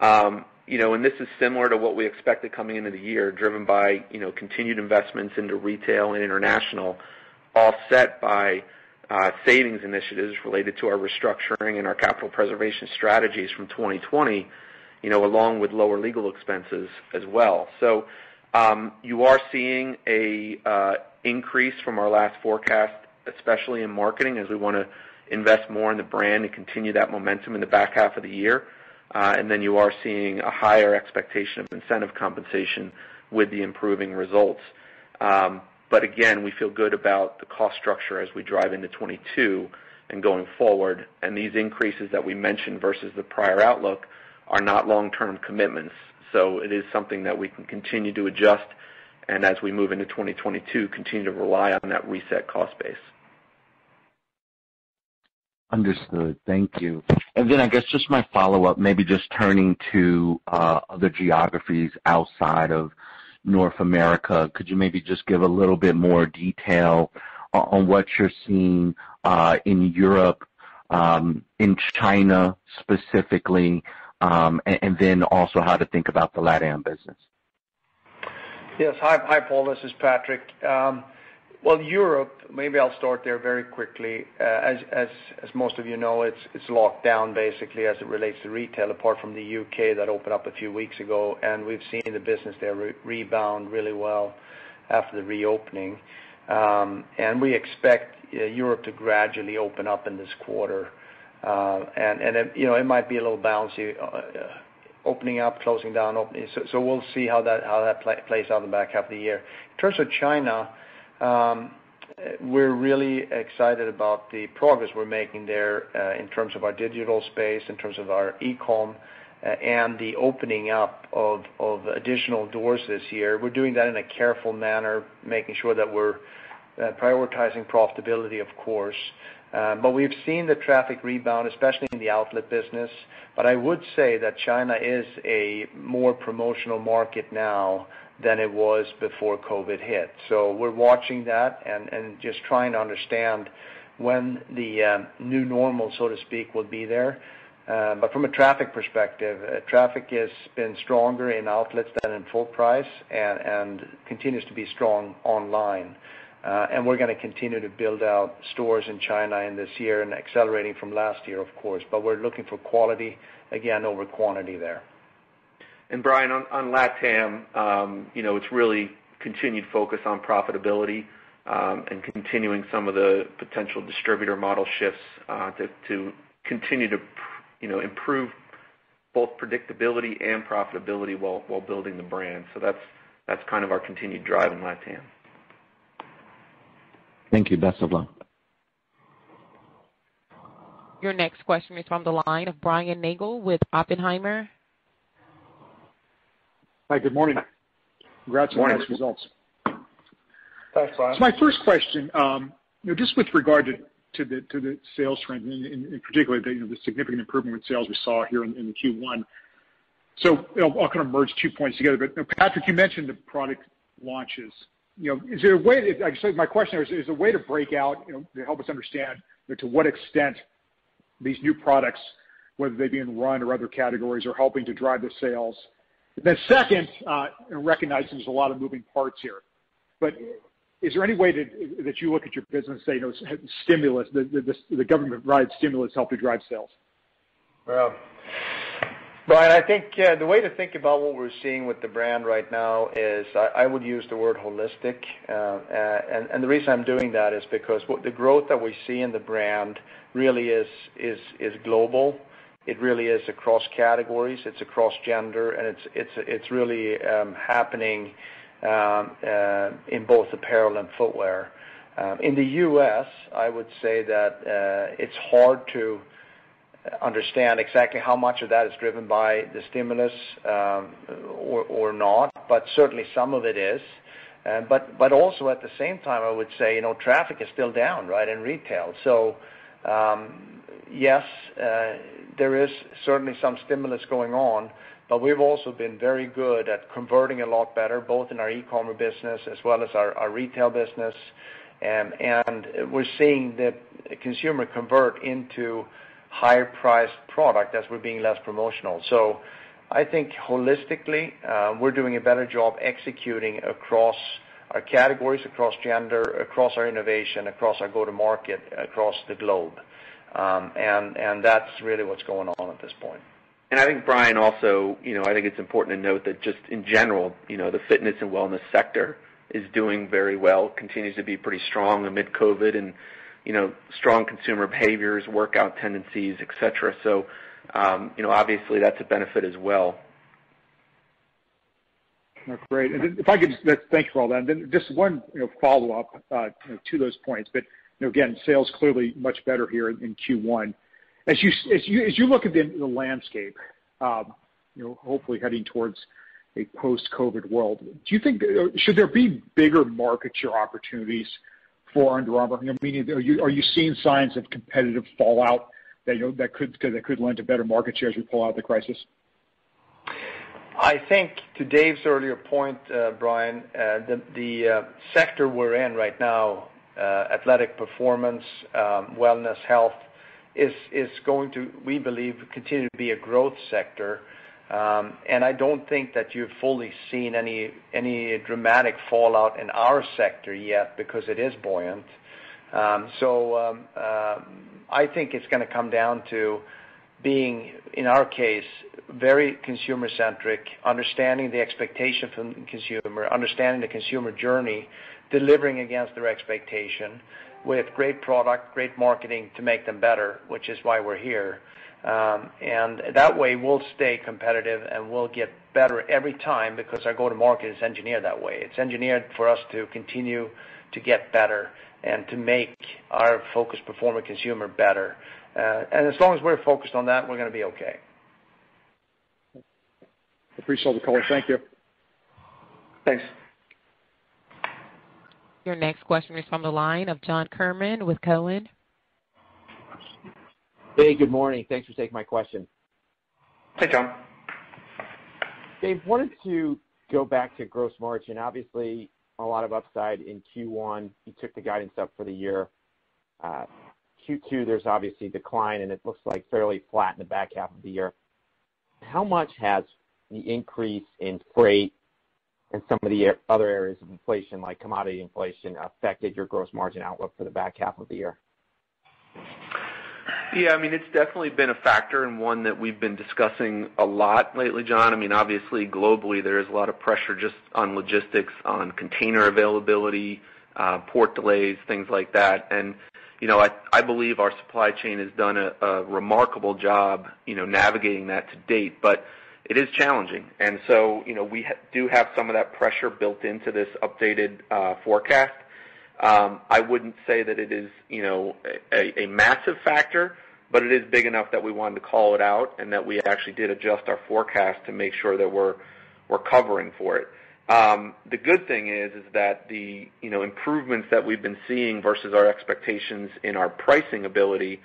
This is similar to what we expected coming into the year, driven by continued investments into retail and international, offset by savings initiatives related to our restructuring and our capital preservation strategies from 2020, along with lower legal expenses as well. You are seeing an increase from our last forecast, especially in marketing, as we want to invest more in the brand and continue that momentum in the back half of the year. Then you are seeing a higher expectation of incentive compensation with the improving results. Again, we feel good about the cost structure as we drive into 2022 and going forward. These increases that we mentioned versus the prior outlook are not long-term commitments. It is something that we can continue to adjust and as we move into 2022, continue to rely on that reset cost base. Understood. Thank you. Then I guess just my follow-up, maybe just turning to other geographies outside of North America, could you maybe just give a little bit more detail on what you're seeing in Europe, in China specifically, and then also how to think about the LatAm business? Yes. Hi, Paul. This is Patrik. Well, Europe, maybe I'll start there very quickly. As most of you know, it's locked down basically as it relates to retail, apart from the U.K. that opened up a few weeks ago. We've seen the business there rebound really well after the reopening. We expect Europe to gradually open up in this quarter. It might be a little bouncy, opening up, closing down, opening. We'll see how that plays out in the back half of the year. In terms of China, we're really excited about the progress we're making there, in terms of our digital space, in terms of our e-com, and the opening up of additional doors this year. We're doing that in a careful manner, making sure that we're prioritizing profitability, of course. We've seen the traffic rebound, especially in the outlet business. I would say that China is a more promotional market now than it was before COVID-19 hit. We're watching that and just trying to understand when the new normal, so to speak, will be there. From a traffic perspective, traffic has been stronger in outlets than in full price and continues to be strong online. We're gonna continue to build out stores in China in this year and accelerating from last year, of course. We're looking for quality, again, over quantity there. Brian, on LatAm, it's really continued focus on profitability, and continuing some of the potential distributor model shifts, to continue to improve both predictability and profitability while building the brand. That's kind of our continued drive in LatAm. Thank you. Best of luck. Your next question is from the line of Brian Nagel with Oppenheimer. Hi, good morning. Good morning. Congrats on those results. Thanks, Brian. My first question, just with regard to the sales trend, in particular, the significant improvement in sales we saw here in the Q1. I'll kind of merge two points together, but Patrik, you mentioned the product launches. I guess my question is there a way to break out to help us understand to what extent these new products, whether they be in run or other categories, are helping to drive the sales? Then second, and recognizing there's a lot of moving parts here, but is there any way that you look at your business, say, the government-right stimulus helped to drive sales? Well, Brian, I think the way to think about what we're seeing with the brand right now is I would use the word holistic. The reason I'm doing that is because the growth that we see in the brand really is global. It really is across categories, it's across gender, and it's really happening in both apparel and footwear. In the U.S., I would say that it's hard to understand exactly how much of that is driven by the stimulus or not, but certainly some of it is. Also, at the same time, I would say traffic is still down in retail. Yes, there is certainly some stimulus going on, but we've also been very good at converting a lot better, both in our e-commerce business as well as our retail business. We're seeing the consumer convert into higher priced product as we're being less promotional. I think holistically, we're doing a better job executing across our categories, across gender, across our innovation, across our go-to-market, across the globe. That's really what's going on at this point. I think, Brian, also, I think it's important to note that just in general the fitness and wellness sector is doing very well, continues to be pretty strong amid COVID and strong consumer behaviors, workout tendencies, et cetera. Obviously that's a benefit as well. Great. Thank you for all that. Just one follow-up to those points, sales clearly much better here in Q1. As you look at the landscape, hopefully heading towards a post-COVID world, should there be bigger market share opportunities for Under Armour? Are you seeing signs of competitive fallout that could lend to better market share as we pull out the crisis? I think to David's earlier point, Brian, the sector we're in right now, athletic performance, wellness, health is going to, we believe, continue to be a growth sector. I don't think that you've fully seen any dramatic fallout in our sector yet because it is buoyant. I think it's gonna come down to being, in our case, very consumer-centric, understanding the expectation from the consumer, understanding the consumer journey, delivering against their expectation with great product, great marketing to make them better, which is why we're here. That way we'll stay competitive and we'll get better every time because our go-to-market is engineered that way. It's engineered for us to continue to get better and to make our focus performer consumer better. As long as we're focused on that, we're gonna be okay. Appreciate the call. Thank you. Thanks. Your next question is from the line of John Kernan with Cowen. Hey, good morning. Thanks for taking my question. Hey, John. David, I wanted to go back to gross margin. Obviously, a lot of upside in Q1. You took the guidance up for the year. Q2, there's obviously decline, and it looks like fairly flat in the back half of the year. How much has the increase in freight and some of the other areas of inflation, like commodity inflation, affected your gross margin outlook for the back half of the year? Yeah. It's definitely been a factor and one that we've been discussing a lot lately, John. Obviously, globally, there is a lot of pressure just on logistics, on container availability, port delays, things like that. I believe our supply chain has done a remarkable job navigating that to date, but it is challenging. We do have some of that pressure built into this updated forecast. I wouldn't say that it is a massive factor, but it is big enough that we wanted to call it out and that we actually did adjust our forecast to make sure that we're covering for it. The good thing is that the improvements that we've been seeing versus our expectations in our pricing ability,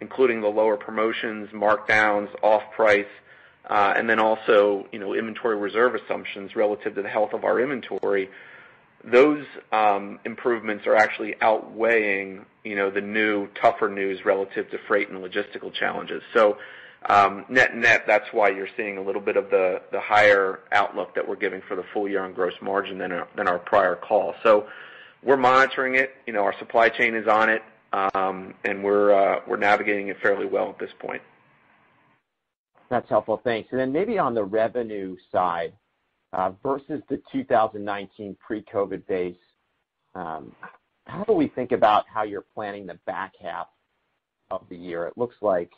including the lower promotions, markdowns, off price, and then also, inventory reserve assumptions relative to the health of our inventory. Those improvements are actually outweighing the new tougher news relative to freight and logistical challenges. Net-net, that's why you're seeing a little bit of the higher outlook that we're giving for the full year on gross margin than our prior call. We're monitoring it. Our supply chain is on it. We're navigating it fairly well at this point. That's helpful. Thanks. Then maybe on the revenue side. Versus the 2019 pre-COVID base, how do we think about how you're planning the back half of the year? It looks like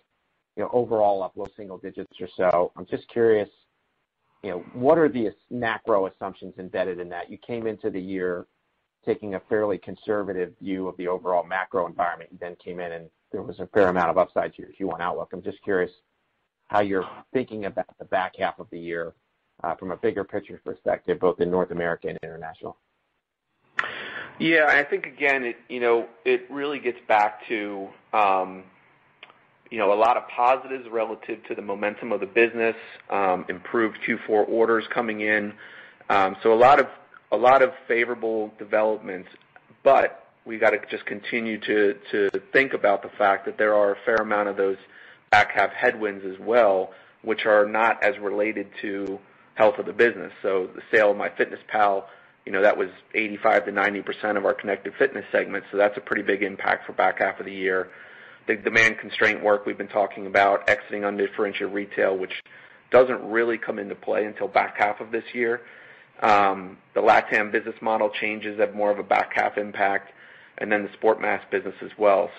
overall up low single digits or so. I'm just curious, what are the macro assumptions embedded in that? You came into the year taking a fairly conservative view of the overall macro environment and then came in and there was a fair amount of upside to your Q1 outlook. I'm just curious how you're thinking about the back half of the year from a bigger picture perspective, both in North America and international. Yeah. I think, again, it really gets back to a lot of positives relative to the momentum of the business, improved Q4 orders coming in. A lot of favorable developments, but we've got to just continue to think about the fact that there are a fair amount of those back-half headwinds as well, which are not as related to health of the business. The sale of MyFitnessPal, that was 85%-90% of our Connected Fitness segment. That's a pretty big impact for back half of the year. The demand constraint work we've been talking about, exiting undifferentiated retail, which doesn't really come into play until back half of this year. The LatAm business model changes have more of a back-half impact, and then the sports masks business as well.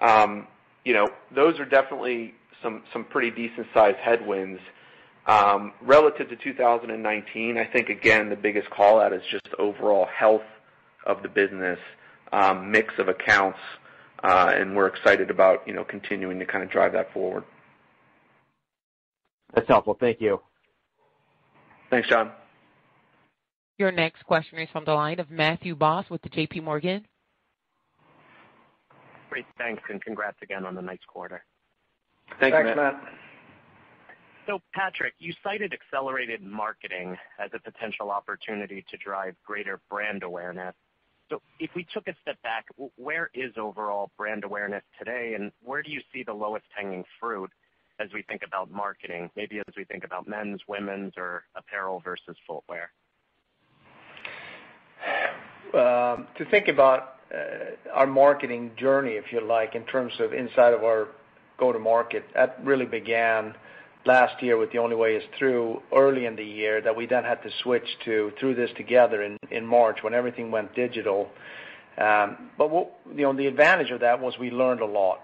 Those are definitely some pretty decent sized headwinds. Relative to 2019, I think, again, the biggest call-out is just overall health of the business, mix of accounts, and we're excited about continuing to drive that forward. That's helpful. Thank you. Thanks, John. Your next question is from the line of Matthew Boss with JPMorgan. Great. Thanks, and congrats again on a nice quarter. Thanks, Matt. Patrik, you cited accelerated marketing as a potential opportunity to drive greater brand awareness. If we took a step back, where is overall brand awareness today, and where do you see the lowest hanging fruit as we think about marketing, maybe as we think about men's, women's, or apparel versus footwear? To think about our marketing journey, if you like, in terms of inside of our go-to-market, that really began last year with The Only Way Is Through early in the year that we then had to switch to Through This Together in March when everything went digital. The advantage of that was we learned a lot.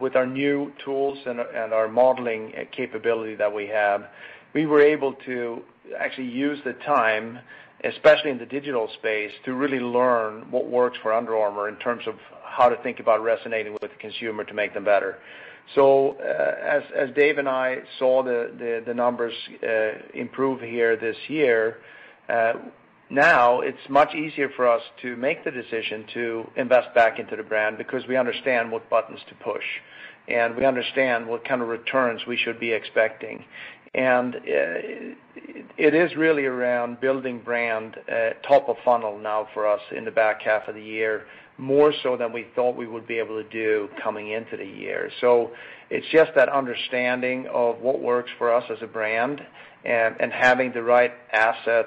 With our new tools and our modeling capability that we have, we were able to actually use the time, especially in the digital space, to really learn what works for Under Armour in terms of how to think about resonating with the consumer to make them better. As David and I saw the numbers improve here this year, now it's much easier for us to make the decision to invest back into the brand because we understand what buttons to push, and we understand what kind of returns we should be expecting. It is really around building brand top of funnel now for us in the back half of the year, more so than we thought we would be able to do coming into the year. It's just that understanding of what works for us as a brand and having the right asset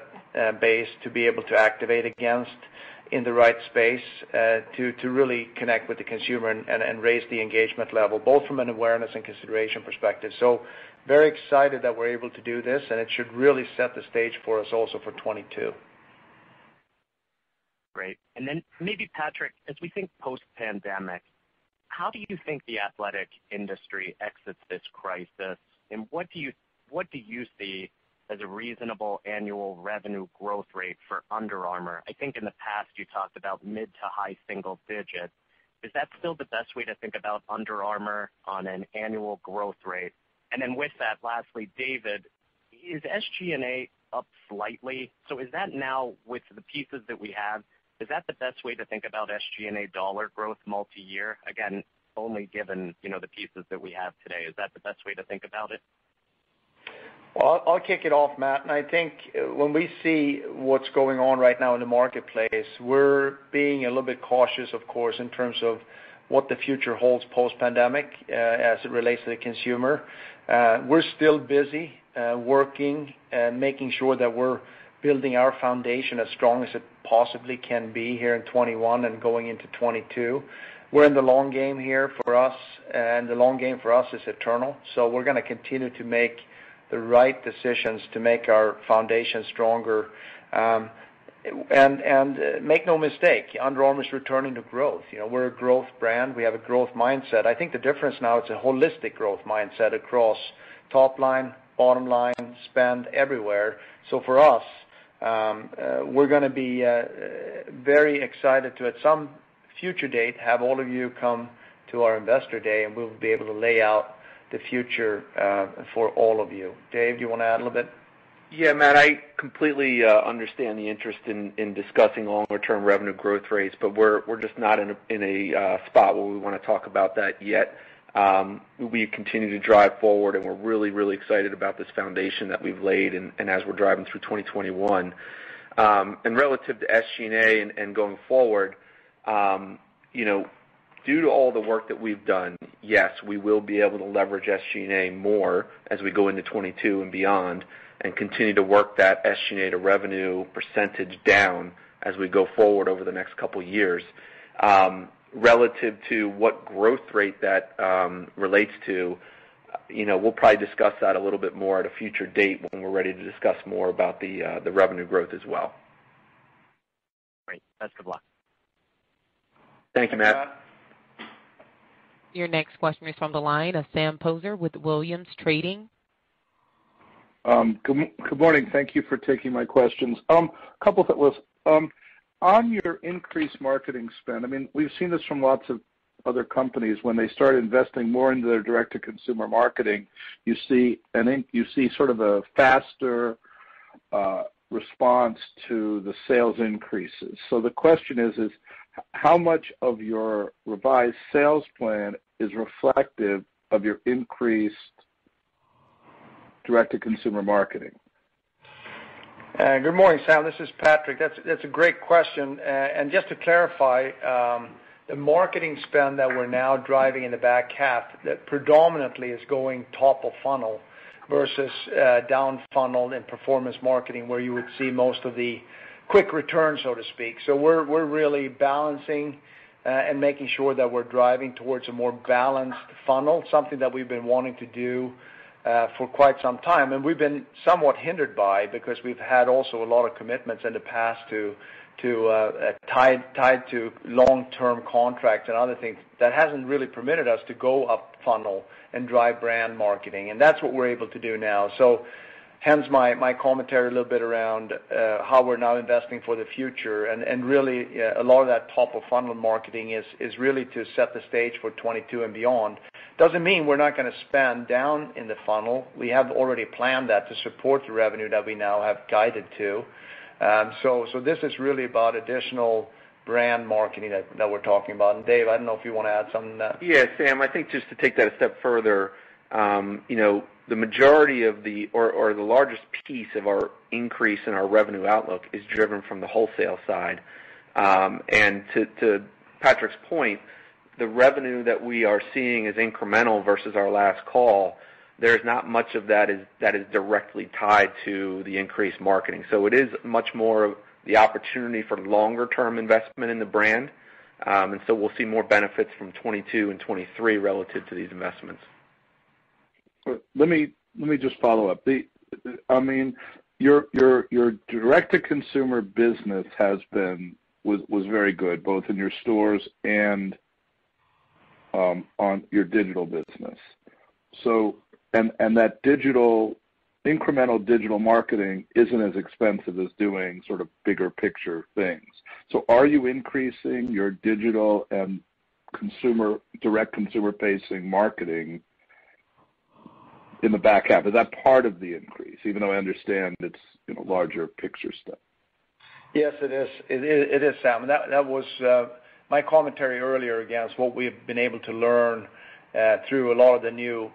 base to be able to activate against in the right space to really connect with the consumer and raise the engagement level, both from an awareness and consideration perspective. Very excited that we're able to do this, and it should really set the stage for us also for 2022. Great. Maybe Patrik, as we think post-pandemic, how do you think the athletic industry exits this crisis, and what do you see as a reasonable annual revenue growth rate for Under Armour? I think in the past you talked about mid to high single digits. Is that still the best way to think about Under Armour on an annual growth rate? With that, lastly, David, is SG&A up slightly? Is that now with the pieces that we have, is that the best way to think about SG&A dollar growth multi-year? Again, only given the pieces that we have today, is that the best way to think about it? Well, I'll kick it off, Matt. I think when we see what's going on right now in the marketplace, we're being a little bit cautious, of course, in terms of what the future holds post-pandemic, as it relates to the consumer. We're still busy working, making sure that we're building our foundation as strong as it possibly can be here in 2021 and going into 2022. We're in the long game here for us. The long game for us is eternal. We're going to continue to make the right decisions to make our foundation stronger. Make no mistake, Under Armour's returning to growth. We're a growth brand. We have a growth mindset. I think the difference now, it's a holistic growth mindset across top line, bottom line, spend, everywhere. For us, we're going to be very excited to, at some future date, have all of you come to our investor day, and we'll be able to lay out the future for all of you. David, do you want to add a little bit? Yeah, Matt, I completely understand the interest in discussing longer term revenue growth rates, but we're just not in a spot where we want to talk about that yet. We continue to drive forward, and we're really excited about this foundation that we've laid and as we're driving through 2021. Relative to SG&A and going forward, due to all the work that we've done, yes, we will be able to leverage SG&A more as we go into 2022 and beyond and continue to work that SG&A to revenue % down as we go forward over the next couple of years. Relative to what growth rate that relates to, we'll probably discuss that a little bit more at a future date when we're ready to discuss more about the revenue growth as well. Great. Best of luck. Thank you, Matt. Thanks, Matt. Your next question is from the line of Sam Poser with Williams Trading. Good morning. Thank you for taking my questions. On your increased marketing spend, we've seen this from lots of other companies, when they start investing more into their direct-to-consumer marketing, you see sort of a faster response to the sales increases. The question is, how much of your revised sales plan is reflective of your increased direct-to-consumer marketing? Good morning, Sam. This is Patrik. That's a great question. Just to clarify, the marketing spend that we're now driving in the back half, predominantly is going top of funnel versus down funnel in performance marketing, where you would see most of the quick returns, so to speak. We're really balancing and making sure that we're driving towards a more balanced funnel, something that we've been wanting to do for quite some time. We've been somewhat hindered by, because we've had also a lot of commitments in the past tied to long-term contracts and other things that hasn't really permitted us to go up funnel and drive brand marketing. That's what we're able to do now. Hence my commentary a little bit around how we're now investing for the future, and really, a lot of that top-of-funnel marketing is really to set the stage for 2022 and beyond. Doesn't mean we're not going to spend down in the funnel. We have already planned that to support the revenue that we now have guided to. This is really about additional brand marketing that we're talking about. David, I don't know if you want to add something to that. Yeah, Sam, I think just to take that a step further. The largest piece of our increase in our revenue outlook is driven from the wholesale side. To Patrik's point, the revenue that we are seeing is incremental versus our last call. There's not much of that is directly tied to the increased marketing. It is much more of the opportunity for longer-term investment in the brand. We'll see more benefits from 2022 and 2023 relative to these investments. Let me just follow up. Your direct-to-consumer business was very good, both in your stores and on your digital business. That incremental digital marketing isn't as expensive as doing sort of bigger picture things. Are you increasing your digital and direct consumer-facing marketing in the back half? Is that part of the increase? Even though I understand it's larger picture stuff. Yes, it is, Sam. That was my commentary earlier, again, is what we've been able to learn through a lot of the new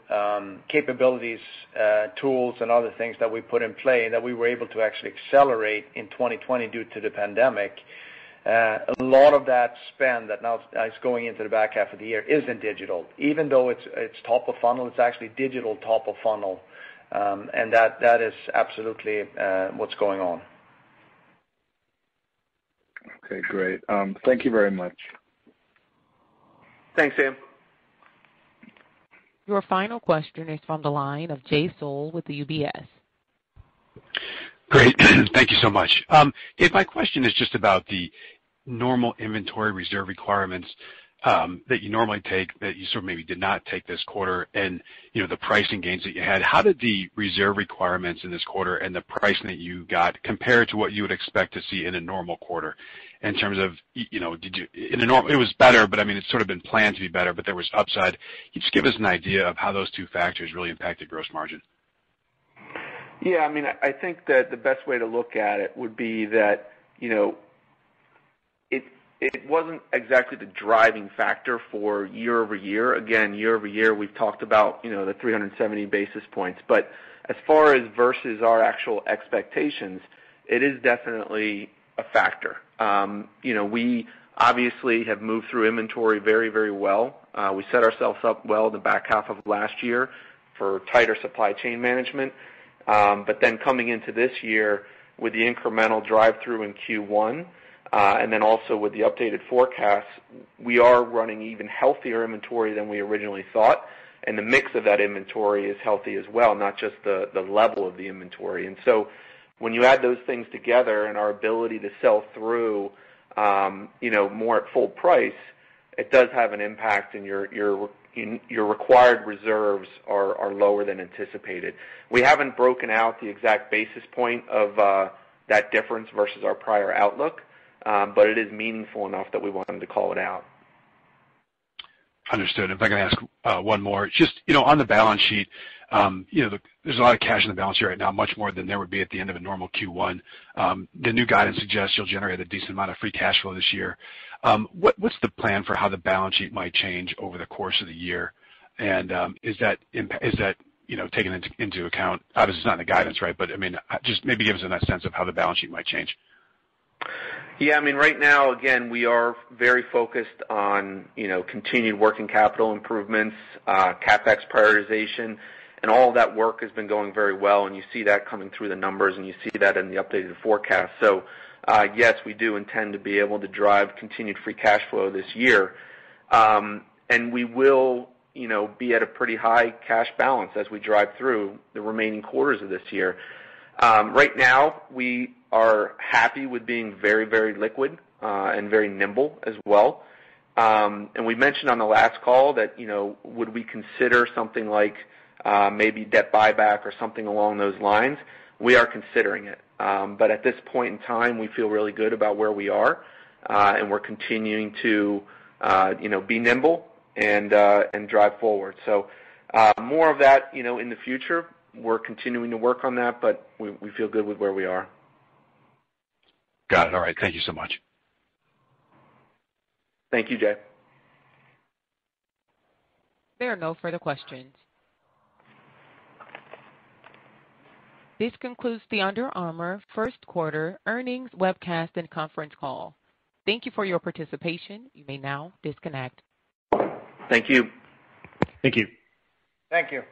capabilities, tools, and other things that we put in play that we were able to actually accelerate in 2020 due to the pandemic. A lot of that spend that now is going into the back half of the year is in digital. Even though it's top of funnel, it's actually digital top of funnel. That is absolutely what's going on. Okay, great. Thank you very much. Thanks, Sam. Your final question is from the line of Jay Sole with the UBS. Great. Thank you so much. David, my question is just about the normal inventory reserve requirements that you normally take that you sort of maybe did not take this quarter and the pricing gains that you had. How did the reserve requirements in this quarter and the pricing that you got compare to what you would expect to see in a normal quarter in terms of, it was better, but I mean, it's sort of been planned to be better, but there was upside. Can you just give us an idea of how those two factors really impacted gross margin? Yeah, I think that the best way to look at it would be that it wasn't exactly the driving factor for year-over-year. Again, year-over-year, we've talked about the 370 basis points. As far as versus our actual expectations, it is definitely a factor. We obviously have moved through inventory very well. We set ourselves up well in the back half of last year for tighter supply chain management. Then coming into this year with the incremental drive-through in Q1, and then also with the updated forecast, we are running even healthier inventory than we originally thought, and the mix of that inventory is healthy as well, not just the level of the inventory. So when you add those things together and our ability to sell through more at full price, it does have an impact and your required reserves are lower than anticipated. We haven't broken out the exact basis point of that difference versus our prior outlook, but it is meaningful enough that we wanted to call it out. Understood. If I can ask one more. Just on the balance sheet, there's a lot of cash in the balance sheet right now, much more than there would be at the end of a normal Q1. The new guidance suggests you'll generate a decent amount of free cash flow this year. What's the plan for how the balance sheet might change over the course of the year? Is that taken into account? Obviously, it's not in the guidance, right? Just maybe give us a sense of how the balance sheet might change. Yeah, right now, again, we are very focused on continued working capital improvements, CapEx prioritization, and all of that work has been going very well, and you see that coming through the numbers, and you see that in the updated forecast. Yes, we do intend to be able to drive continued free cash flow this year. We will be at a pretty high cash balance as we drive through the remaining quarters of this year. Right now, we are happy with being very liquid, and very nimble as well. We mentioned on the last call that would we consider something like maybe debt buyback or something along those lines? We are considering it. At this point in time, we feel really good about where we are. We're continuing to be nimble and drive forward. More of that in the future. We're continuing to work on that, but we feel good with where we are. Got it. All right. Thank you so much. Thank you, Jay. There are no further questions. This concludes the Under Armour Q1 earnings webcast and conference call. Thank you for your participation. You may now disconnect. Thank you. Thank you. Thank you.